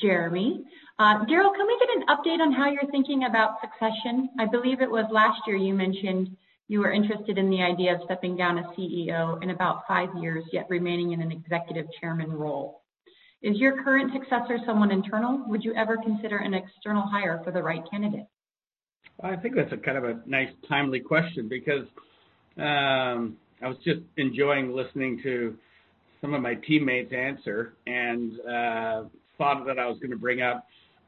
Jeremy. Darryl, can we get an update on how you're thinking about succession? I believe it was last year you mentioned you were interested in the idea of stepping down as CEO in about five years, yet remaining in an executive chairman role. Is your current successor someone internal? Would you ever consider an external hire for the right candidate? I think that's a kind of a nice timely question because I was just enjoying listening to some of my teammates' answer and thought that I was going to bring up.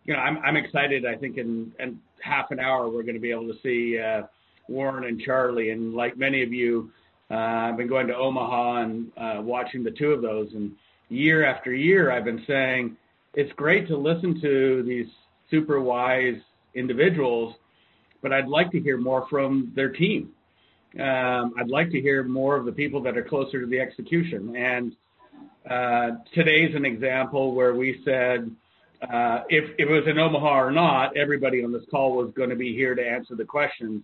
I'm excited. I think in half an hour, we're going to be able to see Warren and Charlie. And like many of you, I've been going to Omaha and watching the two of those. And year-after-year, I've been saying it's great to listen to these super wise individuals, but I'd like to hear more from their team. I'd like to hear more of the people that are closer to the execution. And today's an example where we said if it was in Omaha or not, everybody on this call was going to be here to answer the questions.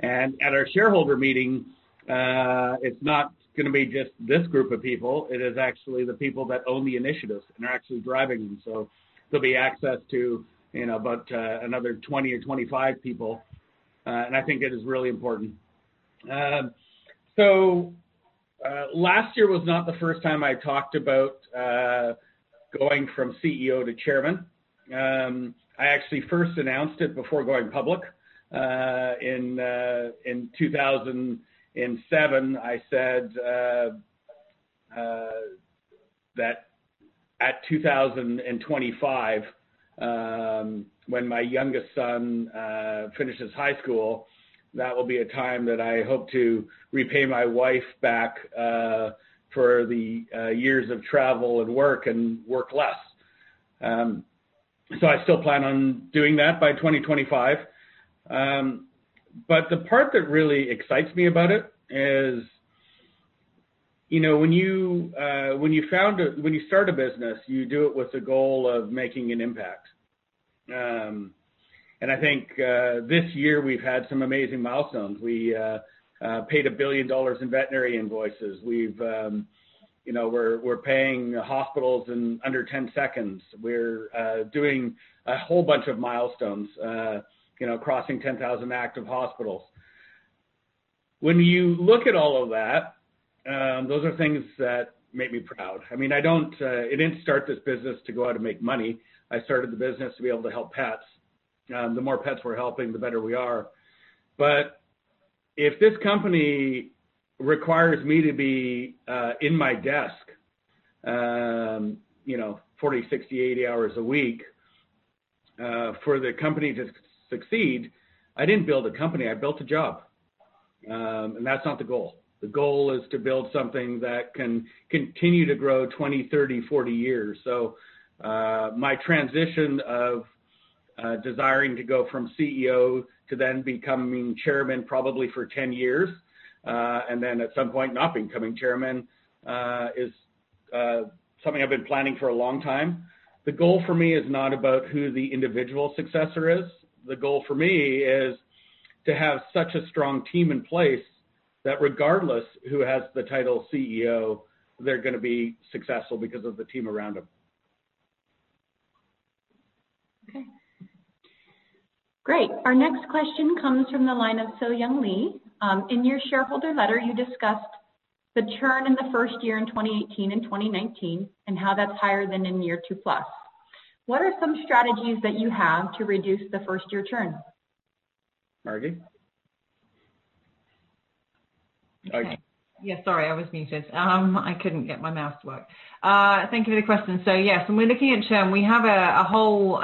And at our shareholder meeting, it's not going to be just this group of people. It is actually the people that own the initiatives and are actually driving them. So there'll be access to about another 20 or 25 people. And I think it is really important. So last year was not the first time I talked about going from CEO to chairman. I actually first announced it before going public. In 2007, I said that at 2025, when my youngest son finishes high school, that will be a time that I hope to repay my wife back for the years of travel and work and work less. So I still plan on doing that by 2025. But the part that really excites me about it is when you start a business, you do it with the goal of making an impact. And I think this year, we've had some amazing milestones. We paid $1 billion in veterinary invoices. We're paying hospitals in under 10 seconds. We're doing a whole bunch of milestones, crossing 10,000 Active Hospitals. When you look at all of that, those are things that make me proud. I mean, I didn't start this business to go out and make money. I started the business to be able to help pets. The more pets we're helping, the better we are. But if this company requires me to be in my desk 40, 60, 80 hours a week for the company to succeed, I didn't build a company. I built a job. And that's not the goal. The goal is to build something that can continue to grow 20, 30, 40 years. So my transition of desiring to go from CEO to then becoming chairman probably for 10 years, and then at some point not becoming chairman, is something I've been planning for a long time. The goal for me is not about who the individual successor is. The goal for me is to have such a strong team in place that regardless who has the title CEO, they're going to be successful because of the team around them. Okay. Great. Our next question comes from the line of So Young Lee. In your shareholder letter, you discussed the churn in the first year in 2018 and 2019 and how that's higher than in year two plus. What are some strategies that you have to reduce the first-year churn? Margi? Sorry. Yeah. Sorry. I was muted. I couldn't get my mouse to work. Thank you for the question. So yes, when we're looking at churn, we have a whole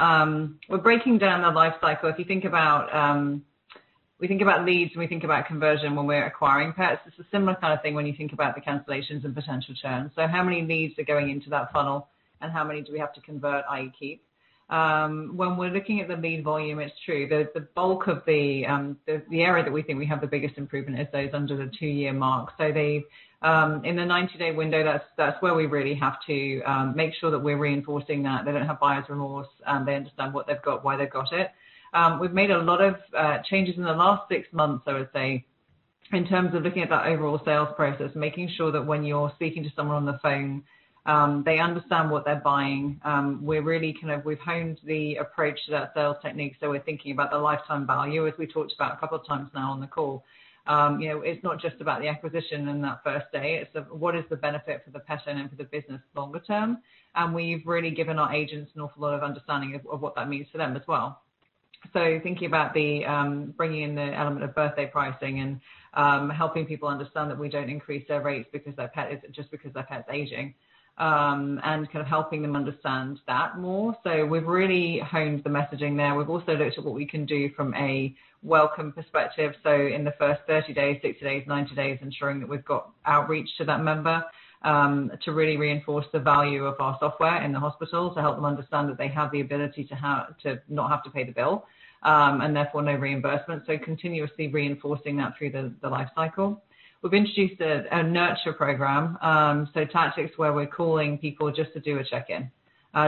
we're breaking down the life cycle. If you think about we think about leads and we think about conversion when we're acquiring pets. It's a similar kind of thing when you think about the cancellations and potential churn. So how many leads are going into that funnel and how many do we have to convert, i.e., keep? When we're looking at the lead volume, it's true. The bulk of the area that we think we have the biggest improvement is those under the two-year mark. So in the 90-day window, that's where we really have to make sure that we're reinforcing that they don't have buyer's remorse, and they understand what they've got, why they've got it. We've made a lot of changes in the last six months, I would say, in terms of looking at that overall sales process, making sure that when you're speaking to someone on the phone, they understand what they're buying. We've honed the approach to that sales technique. So we're thinking about the lifetime value, as we talked about a couple of times now on the call. It's not just about the acquisition in that first day. It's what is the benefit for the pet owner, for the business longer term? And we've really given our agents an awful lot of understanding of what that means for them as well. So thinking about bringing in the element of birthday pricing and helping people understand that we don't increase their rates just because their pet's aging and kind of helping them understand that more. So we've really honed the messaging there. We've also looked at what we can do from a welcome perspective, so in the first 30 days, 60 days, 90 days, ensuring that we've got outreach to that member to really reinforce the value of our software in the hospital to help them understand that they have the ability to not have to pay the bill and therefore no reimbursement, so continuously reinforcing that through the life cycle. We've introduced a nurture program, so tactics where we're calling people just to do a check-in,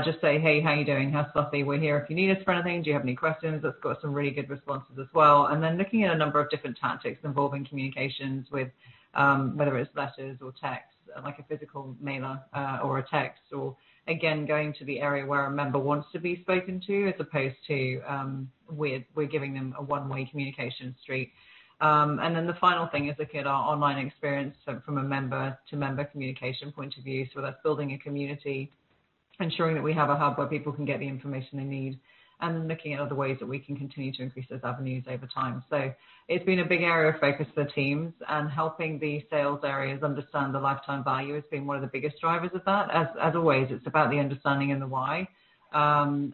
just say, "Hey, how are you doing? How's Scruffy? We're here if you need us for anything. Do you have any questions?" That's got some really good responses as well. And then looking at a number of different tactics involving communications with whether it's letters or texts, like a physical mailer or a text, or again, going to the area where a member wants to be spoken to as opposed to we're giving them a one-way communication street. And then the final thing is looking at our online experience from a member-to-member communication point of view. So that's building a community, ensuring that we have a hub where people can get the information they need, and looking at other ways that we can continue to increase those avenues over time. So it's been a big area of focus for the teams and helping the sales areas understand the lifetime value has been one of the biggest drivers of that. As always, it's about the understanding and the why and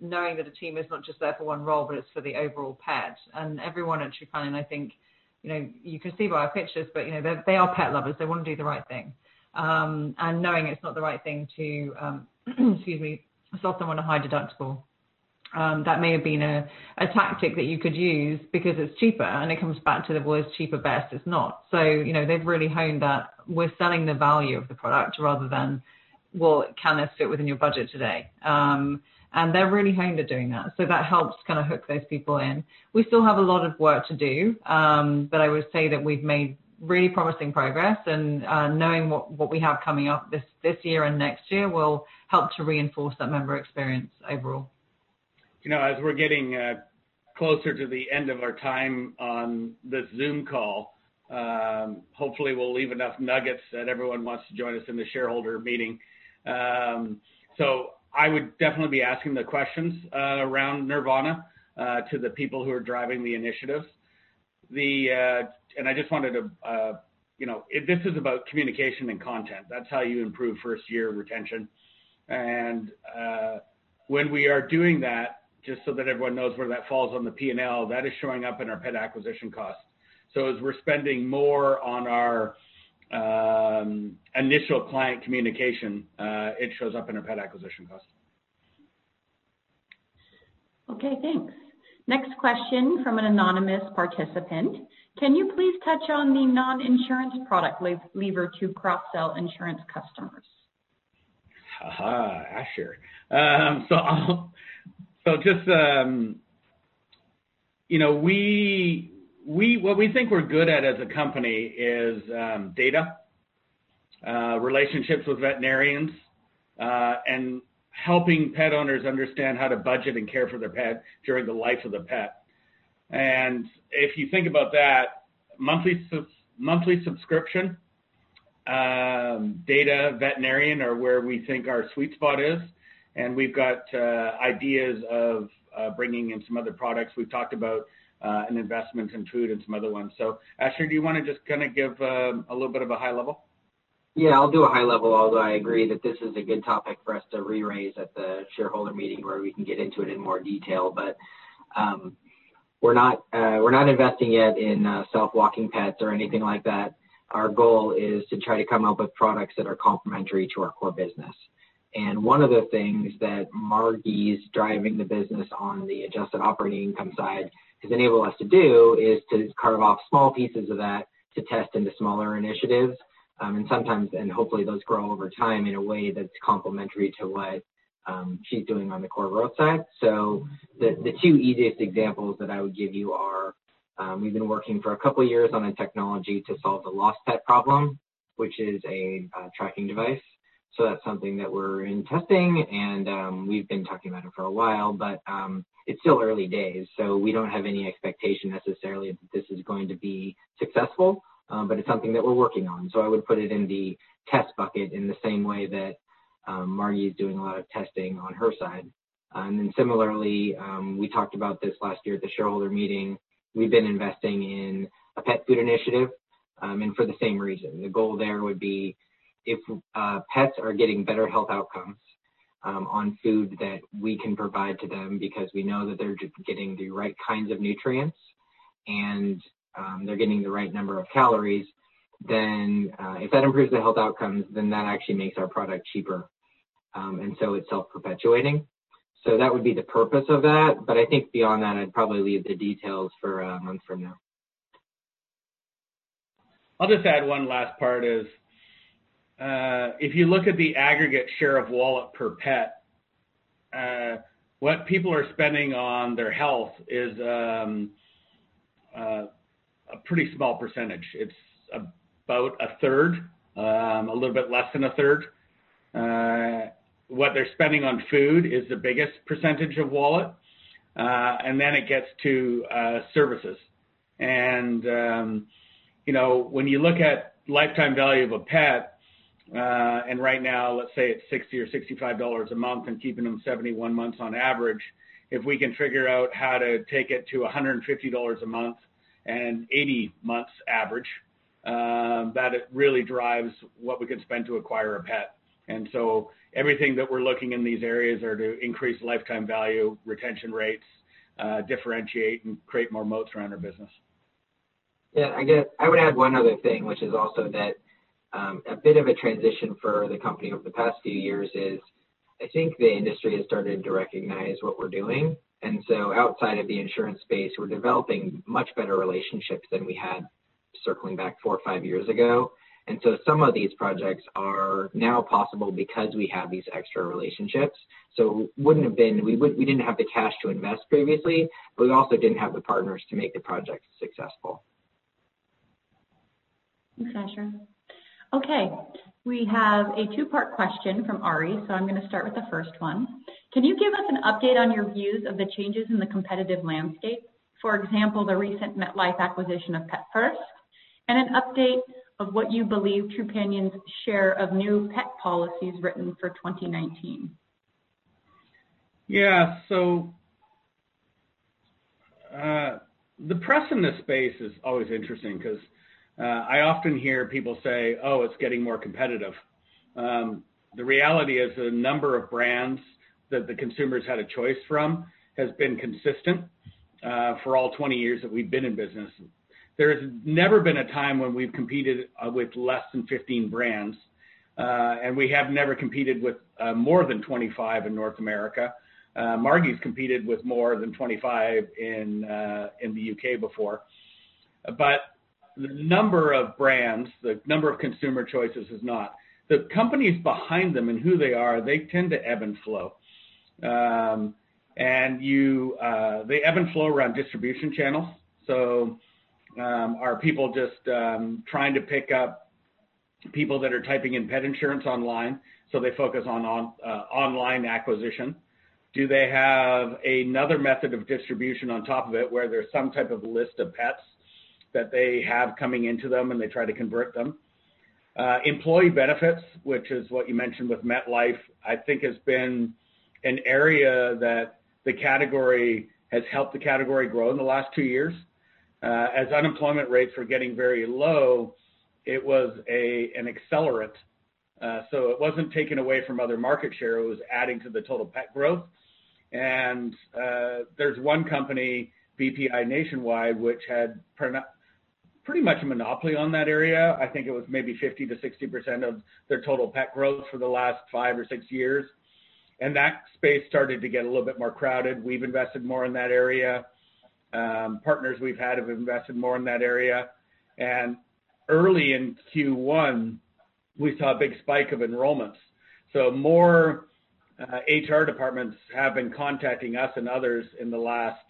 knowing that a team is not just there for one role, but it's for the overall pet. And everyone at Trupanion, and I think you can see by our pictures, but they are pet lovers. They want to do the right thing. And knowing it's not the right thing to, excuse me, sell someone a high deductible, that may have been a tactic that you could use because it's cheaper, and it comes back to the words cheaper best. It's not. So they've really honed that. We're selling the value of the product rather than, "Well, can this fit within your budget today?" And they're really honed at doing that. So that helps kind of hook those people in. We still have a lot of work to do, but I would say that we've made really promising progress. Knowing what we have coming up this year and next year will help to reinforce that member experience overall. As we're getting closer to the end of our time on this Zoom call, hopefully, we'll leave enough nuggets that everyone wants to join us in the shareholder meeting, so I would definitely be asking the questions around Nirvana to the people who are driving the initiatives, and I just wanted to, this is about communication and content. That's how you improve first-year retention, and when we are doing that, just so that everyone knows where that falls on the P&L, that is showing up in our pet acquisition cost, so as we're spending more on our initial client communication, it shows up in our pet acquisition cost. Okay. Thanks. Next question from an anonymous participant. Can you please touch on the non-insurance product lever to cross-sell insurance customers? Sure. So just what we think we're good at as a company is data, relationships with veterinarians, and helping pet owners understand how to budget and care for their pet during the life of the pet. And if you think about that, monthly subscription, data, veterinarian are where we think our sweet spot is. And we've got ideas of bringing in some other products. We've talked about an investment in food and some other ones. So Asher, do you want to just kind of give a little bit of a high level? Yeah. I'll do a high level, although I agree that this is a good topic for us to re-raise at the shareholder meeting where we can get into it in more detail. But we're not investing yet in self-walking pets or anything like that. Our goal is to try to come up with products that are complementary to our core business. And one of the things that Margi's driving the business on the Adjusted Operating Income side has enabled us to do is to carve off small pieces of that to test into smaller initiatives. And hopefully, those grow over time in a way that's complementary to what she's doing on the core growth side. So the two easiest examples that I would give you are we've been working for a couple of years on a technology to solve the lost pet problem, which is a tracking device. So that's something that we're in testing, and we've been talking about it for a while, but it's still early days. So we don't have any expectation necessarily that this is going to be successful, but it's something that we're working on. So I would put it in the test bucket in the same way that Margi's doing a lot of testing on her side. And then similarly, we talked about this last year at the shareholder meeting. We've been investing in a pet food initiative for the same reason. The goal there would be if pets are getting better health outcomes on food that we can provide to them because we know that they're getting the right kinds of nutrients and they're getting the right number of calories, then if that improves the health outcomes, then that actually makes our product cheaper and so it's self-perpetuating. So that would be the purpose of that. But I think beyond that, I'd probably leave the details for a month from now. I'll just add one last part. If you look at the aggregate share of wallet per pet, what people are spending on their health is a pretty small percentage. It's about a third, a little bit less than a third. What they're spending on food is the biggest percentage of wallet. And then it gets to services. And when you look at lifetime value of a pet, and right now, let's say it's $60-$65 a month and keeping them 71 months on average, if we can figure out how to take it to $150 a month and $80 months average, that it really drives what we could spend to acquire a pet. And so everything that we're looking in these areas are to increase lifetime value, retention rates, differentiate, and create more moats around our business. Yeah. I would add one other thing, which is also that a bit of a transition for the company over the past few years is I think the industry has started to recognize what we're doing. And so outside of the insurance space, we're developing much better relationships than we had circling back four or five years ago. And so some of these projects are now possible because we have these extra relationships. So we wouldn't have been--we didn't have the cash to invest previously, but we also didn't have the partners to make the projects successful. Thanks, Asher. Okay. We have a two-part question from Ari. So I'm going to start with the first one. Can you give us an update on your views of the changes in the competitive landscape, for example, the recent MetLife acquisition of PetFirst, and an update of what you believe Trupanion's share of new pet policies written for 2019? Yeah. So the press in this space is always interesting because I often hear people say, "Oh, it's getting more competitive." The reality is the number of brands that the consumers had a choice from has been consistent for all 20 years that we've been in business. There has never been a time when we've competed with less than 15 brands, and we have never competed with more than 25 in North America. Margi's competed with more than 25 in the U.K. before. But the number of brands, the number of consumer choices is not. The companies behind them and who they are, they tend to ebb and flow. And they ebb and flow around distribution channels. So are people just trying to pick up people that are typing in pet insurance online? So they focus on online acquisition. Do they have another method of distribution on top of it where there's some type of list of pets that they have coming into them and they try to convert them? Employee benefits, which is what you mentioned with MetLife, I think has been an area that the category has helped the category grow in the last two years. As unemployment rates were getting very low, it was an accelerant. So it wasn't taken away from other market share. It was adding to the total pet growth. And there's one company, VPI Nationwide, which had pretty much a monopoly on that area. I think it was maybe 50%-60% of their total pet growth for the last five or six years. And that space started to get a little bit more crowded. We've invested more in that area. Partners we've had have invested more in that area. And early in Q1, we saw a big spike of enrollments. So more HR departments have been contacting us and others in the last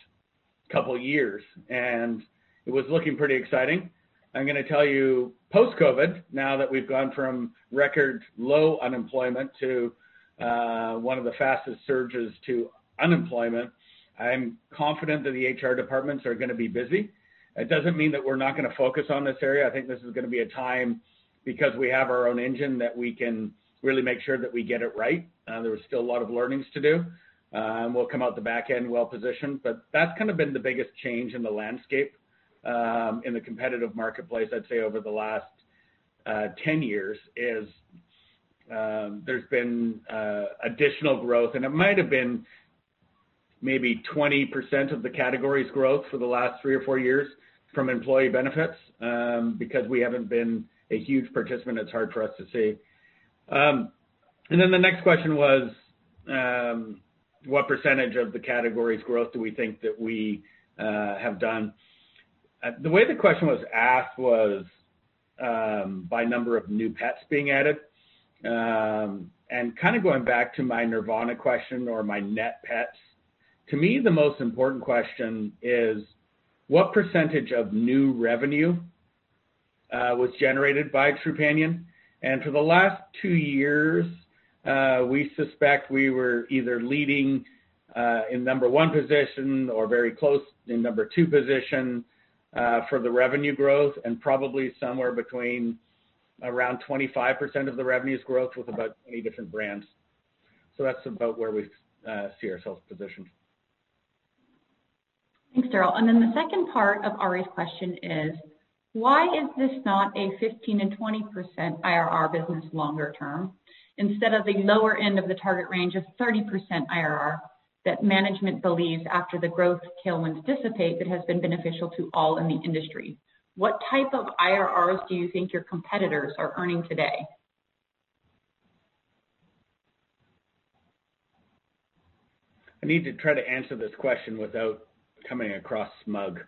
couple of years. And it was looking pretty exciting. I'm going to tell you, post-COVID, now that we've gone from record low unemployment to one of the fastest surges to unemployment, I'm confident that the HR departments are going to be busy. It doesn't mean that we're not going to focus on this area. I think this is going to be a time because we have our own engine that we can really make sure that we get it right. There are still a lot of learnings to do. We'll come out the back end well-positioned. But that's kind of been the biggest change in the landscape in the competitive marketplace, I'd say, over the last 10 years is there's been additional growth. It might have been maybe 20% of the category's growth for the last three or four years from employee benefits because we haven't been a huge participant. It's hard for us to see. Then the next question was, what percentage of the category's growth do we think that we have done? The way the question was asked was by number of new pets being added. Kind of going back to my Nirvana question or my net pets, to me, the most important question is what percentage of new revenue was generated by Trupanion. For the last two years, we suspect we were either leading in number one position or very close in number two position for the revenue growth and probably somewhere between around 25% of the revenue's growth with about 20 different brands. That's about where we see ourselves positioned. Thanks, Darryl. And then the second part of Ari's question is, why is this not a 15%-20% IRR business longer term instead of the lower end of the target range of 30% IRR that management believes after the growth tailwinds dissipate that has been beneficial to all in the industry? What type of IRRs do you think your competitors are earning today? I need to try to answer this question without coming across smug.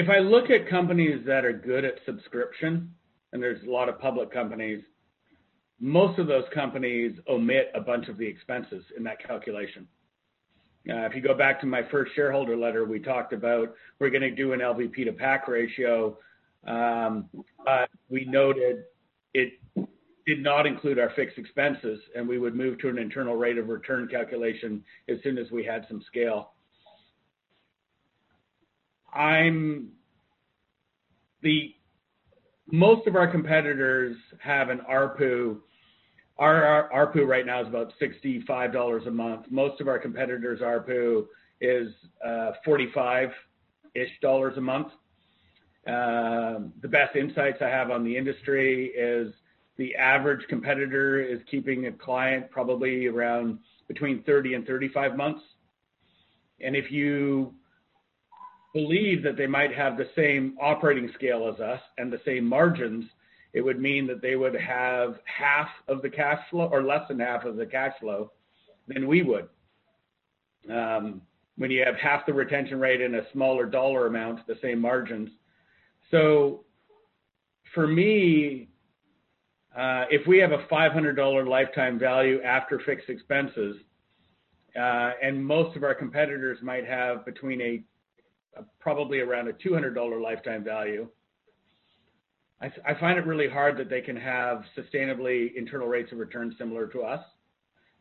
If I look at companies that are good at subscription, and there's a lot of public companies, most of those companies omit a bunch of the expenses in that calculation. If you go back to my first shareholder letter, we talked about we're going to do an LVP to PAC ratio, but we noted it did not include our fixed expenses, and we would move to an internal rate of return calculation as soon as we had some scale. Most of our competitors have an ARPU. Our ARPU right now is about $65 a month. Most of our competitors' ARPU is $45-ish a month. The best insights I have on the industry is the average competitor is keeping a client probably around between 30 and 35 months. And if you believe that they might have the same operating scale as us and the same margins, it would mean that they would have half of the cash flow or less than half of the cash flow than we would when you have half the retention rate and a smaller dollar amount, the same margins. So for me, if we have a $500 lifetime value after fixed expenses, and most of our competitors might have probably around a $200 lifetime value, I find it really hard that they can have sustainably internal rates of return similar to us.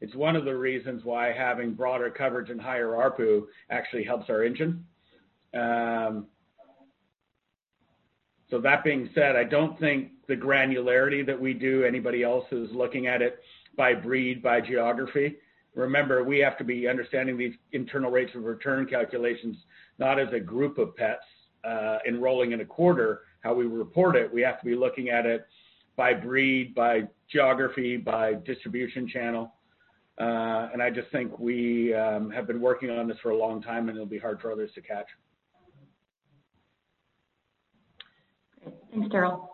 It's one of the reasons why having broader coverage and higher ARPU actually helps our engine. So that being said, I don't think the granularity that we do, anybody else who's looking at it by breed, by geography. Remember, we have to be understanding these internal rates of return calculations not as a group of pets enrolling in a quarter, how we report it. We have to be looking at it by breed, by geography, by distribution channel, and I just think we have been working on this for a long time, and it'll be hard for others to catch. Thanks, Darryl.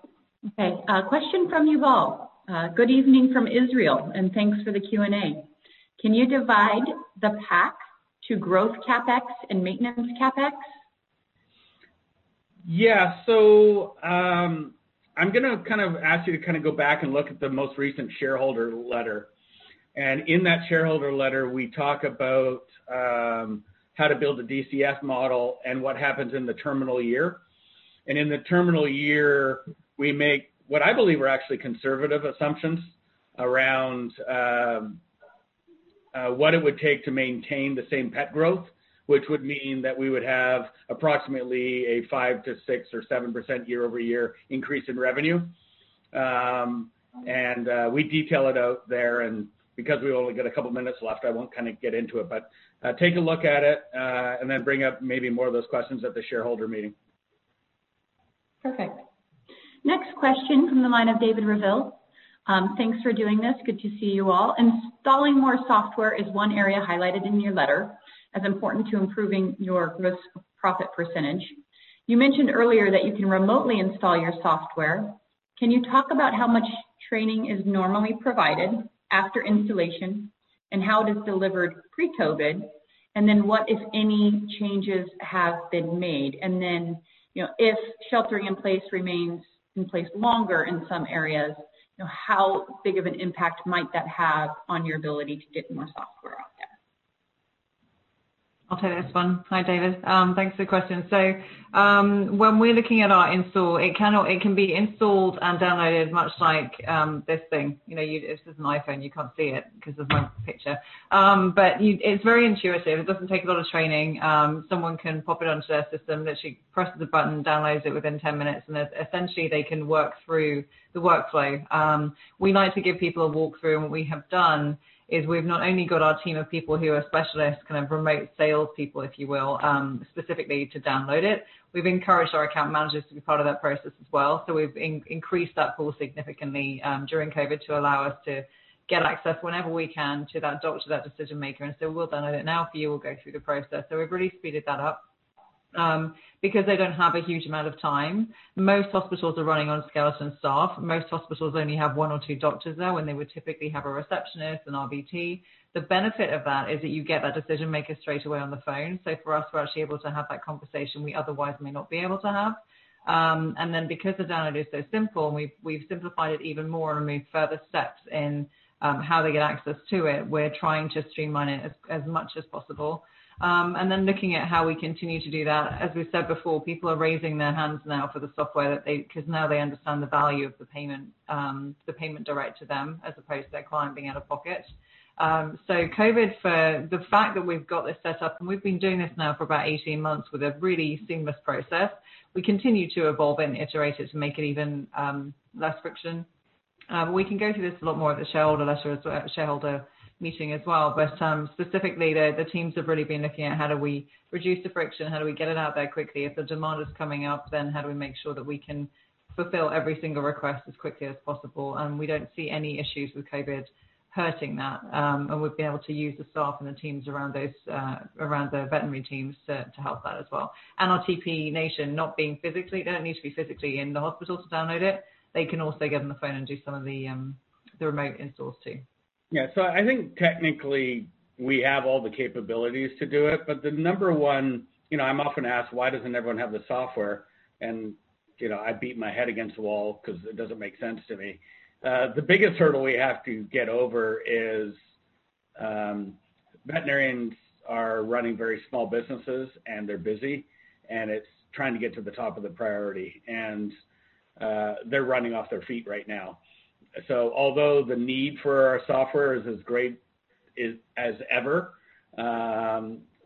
Okay. Question from Yuval. Good evening from Israel, and thanks for the Q&A. Can you divide the PAC to growth CapEx and maintenance CapEx? Yeah. So I'm going to kind of ask you to kind of go back and look at the most recent shareholder letter. And in that shareholder letter, we talk about how to build a DCF model and what happens in the terminal year. And in the terminal year, we make what I believe are actually conservative assumptions around what it would take to maintain the same pet growth, which would mean that we would have approximately a 5% to 6% or 7% year-over-year increase in revenue. And we detail it out there. And because we only got a couple of minutes left, I won't kind of get into it, but take a look at it and then bring up maybe more of those questions at the shareholder meeting. Perfect. Next question from the line of David Reville. Thanks for doing this. Good to see you all. Installing more software is one area highlighted in your letter as important to improving your gross profit percentage. You mentioned earlier that you can remotely install your software. Can you talk about how much training is normally provided after installation and how it is delivered pre-COVID? And then what, if any, changes have been made? And then if sheltering in place remains in place longer in some areas, how big of an impact might that have on your ability to get more software out there? I'll take this one. Hi, David. Thanks for the question. So when we're looking at our install, it can be installed and downloaded much like this thing. This is an iPhone. You can't see it because of my picture. But it's very intuitive. It doesn't take a lot of training. Someone can pop it onto their system, literally presses a button, downloads it within 10 minutes, and essentially they can work through the workflow. We like to give people a walkthrough. And what we have done is we've not only got our team of people who are specialists, kind of remote salespeople, if you will, specifically to download it. We've encouraged our account managers to be part of that process as well. So we've increased that pool significantly during COVID to allow us to get access whenever we can to that doctor, that decision maker. And so we'll download it now for you. We'll go through the process. So we've really speeded that up because they don't have a huge amount of time. Most hospitals are running on skeleton staff. Most hospitals only have one or two doctors there when they would typically have a receptionist and RVT. The benefit of that is that you get that decision maker straight away on the phone. So for us, we're actually able to have that conversation we otherwise may not be able to have. And then because the download is so simple, we've simplified it even more and moved further steps in how they get access to it. We're trying to streamline it as much as possible. And then looking at how we continue to do that, as we've said before, people are raising their hands now for the software because now they understand the value of the payment direct to them as opposed to their client being out of pocket. So, COVID, for the fact that we've got this set up, and we've been doing this now for about 18 months with a really seamless process, we continue to evolve and iterate it to make it even less friction. We can go through this a lot more at the shareholder letter as well as the shareholder meeting as well. But specifically, the teams have really been looking at how do we reduce the friction? How do we get it out there quickly? If the demand is coming up, then how do we make sure that we can fulfill every single request as quickly as possible? We don't see any issues with COVID hurting that. We've been able to use the staff and the teams around the veterinary teams to help that as well. Our TP Nation not being physically, they don't need to be physically in the hospital to download it. They can also get on the phone and do some of the remote installs too. Yeah. So I think technically we have all the capabilities to do it. But number one, I'm often asked, why doesn't everyone have the software? And I beat my head against the wall because it doesn't make sense to me. The biggest hurdle we have to get over is veterinarians are running very small businesses, and they're busy, and it's trying to get to the top of the priority. And they're running off their feet right now. So although the need for our software is as great as ever,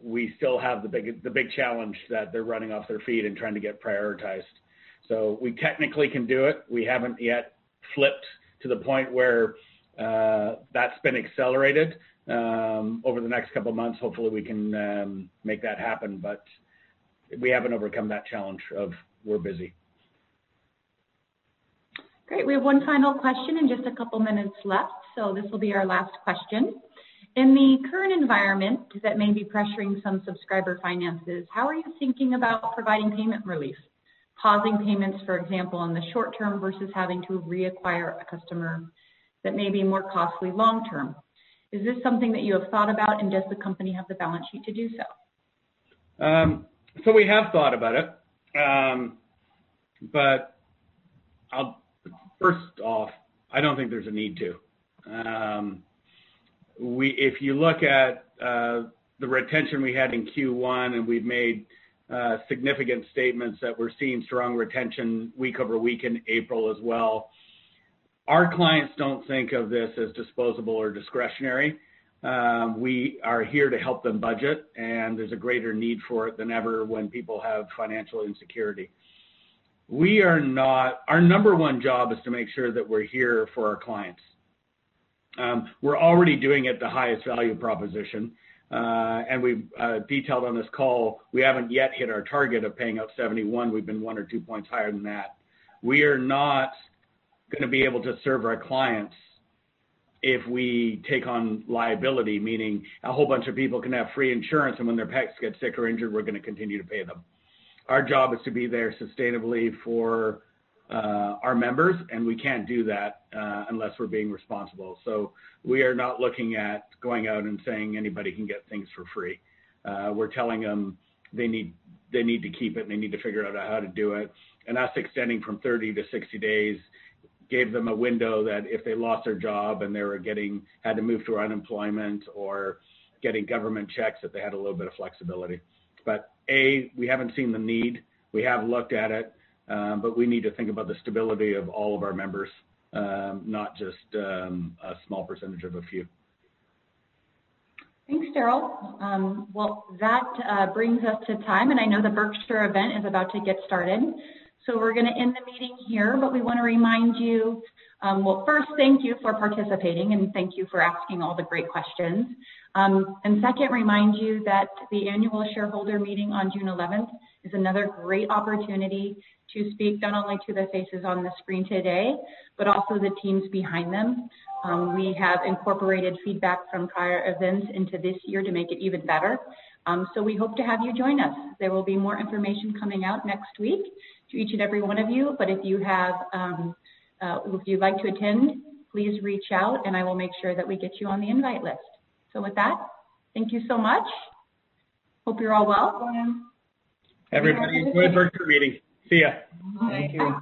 we still have the big challenge that they're running off their feet and trying to get prioritized. So we technically can do it. We haven't yet flipped to the point where that's been accelerated. Over the next couple of months, hopefully we can make that happen. But we haven't overcome that challenge of we're busy. Great. We have one final question and just a couple of minutes left. So this will be our last question. In the current environment that may be pressuring some subscriber finances, how are you thinking about providing payment relief, pausing payments, for example, in the short term versus having to reacquire a customer that may be more costly long term? Is this something that you have thought about, and does the company have the balance sheet to do so? So we have thought about it. But first off, I don't think there's a need to. If you look at the retention we had in Q1, and we've made significant statements that we're seeing strong retention week over week in April as well. Our clients don't think of this as disposable or discretionary. We are here to help them budget, and there's a greater need for it than ever when people have financial insecurity. Our number one job is to make sure that we're here for our clients. We're already doing it the highest value proposition. And we've detailed on this call, we haven't yet hit our target of paying up 71%. We've been one or two points higher than that. We are not going to be able to serve our clients if we take on liability, meaning a whole bunch of people can have free insurance, and when their pets get sick or injured, we're going to continue to pay them. Our job is to be there sustainably for our members, and we can't do that unless we're being responsible. So we are not looking at going out and saying anybody can get things for free. We're telling them they need to keep it, and they need to figure out how to do it, and us extending from 30-60 days gave them a window that if they lost their job and they had to move to unemployment or getting government checks, that they had a little bit of flexibility. But A, we haven't seen the need. We have looked at it, but we need to think about the stability of all of our members, not just a small percentage of a few. Thanks, Darryl. Well, that brings us to time. And I know the Berkshire event is about to get started. So we're going to end the meeting here, but we want to remind you. Well, first, thank you for participating, and thank you for asking all the great questions. And second, remind you that the annual shareholder meeting on June 11th is another great opportunity to speak not only to the faces on the screen today, but also the teams behind them. We have incorporated feedback from prior events into this year to make it even better. So we hope to have you join us. There will be more information coming out next week to each and every one of you. But if you'd like to attend, please reach out, and I will make sure that we get you on the invite list. So with that, thank you so much. Hope you're all well. Everybody, enjoy the Berkshire meeting. See you. Thank you.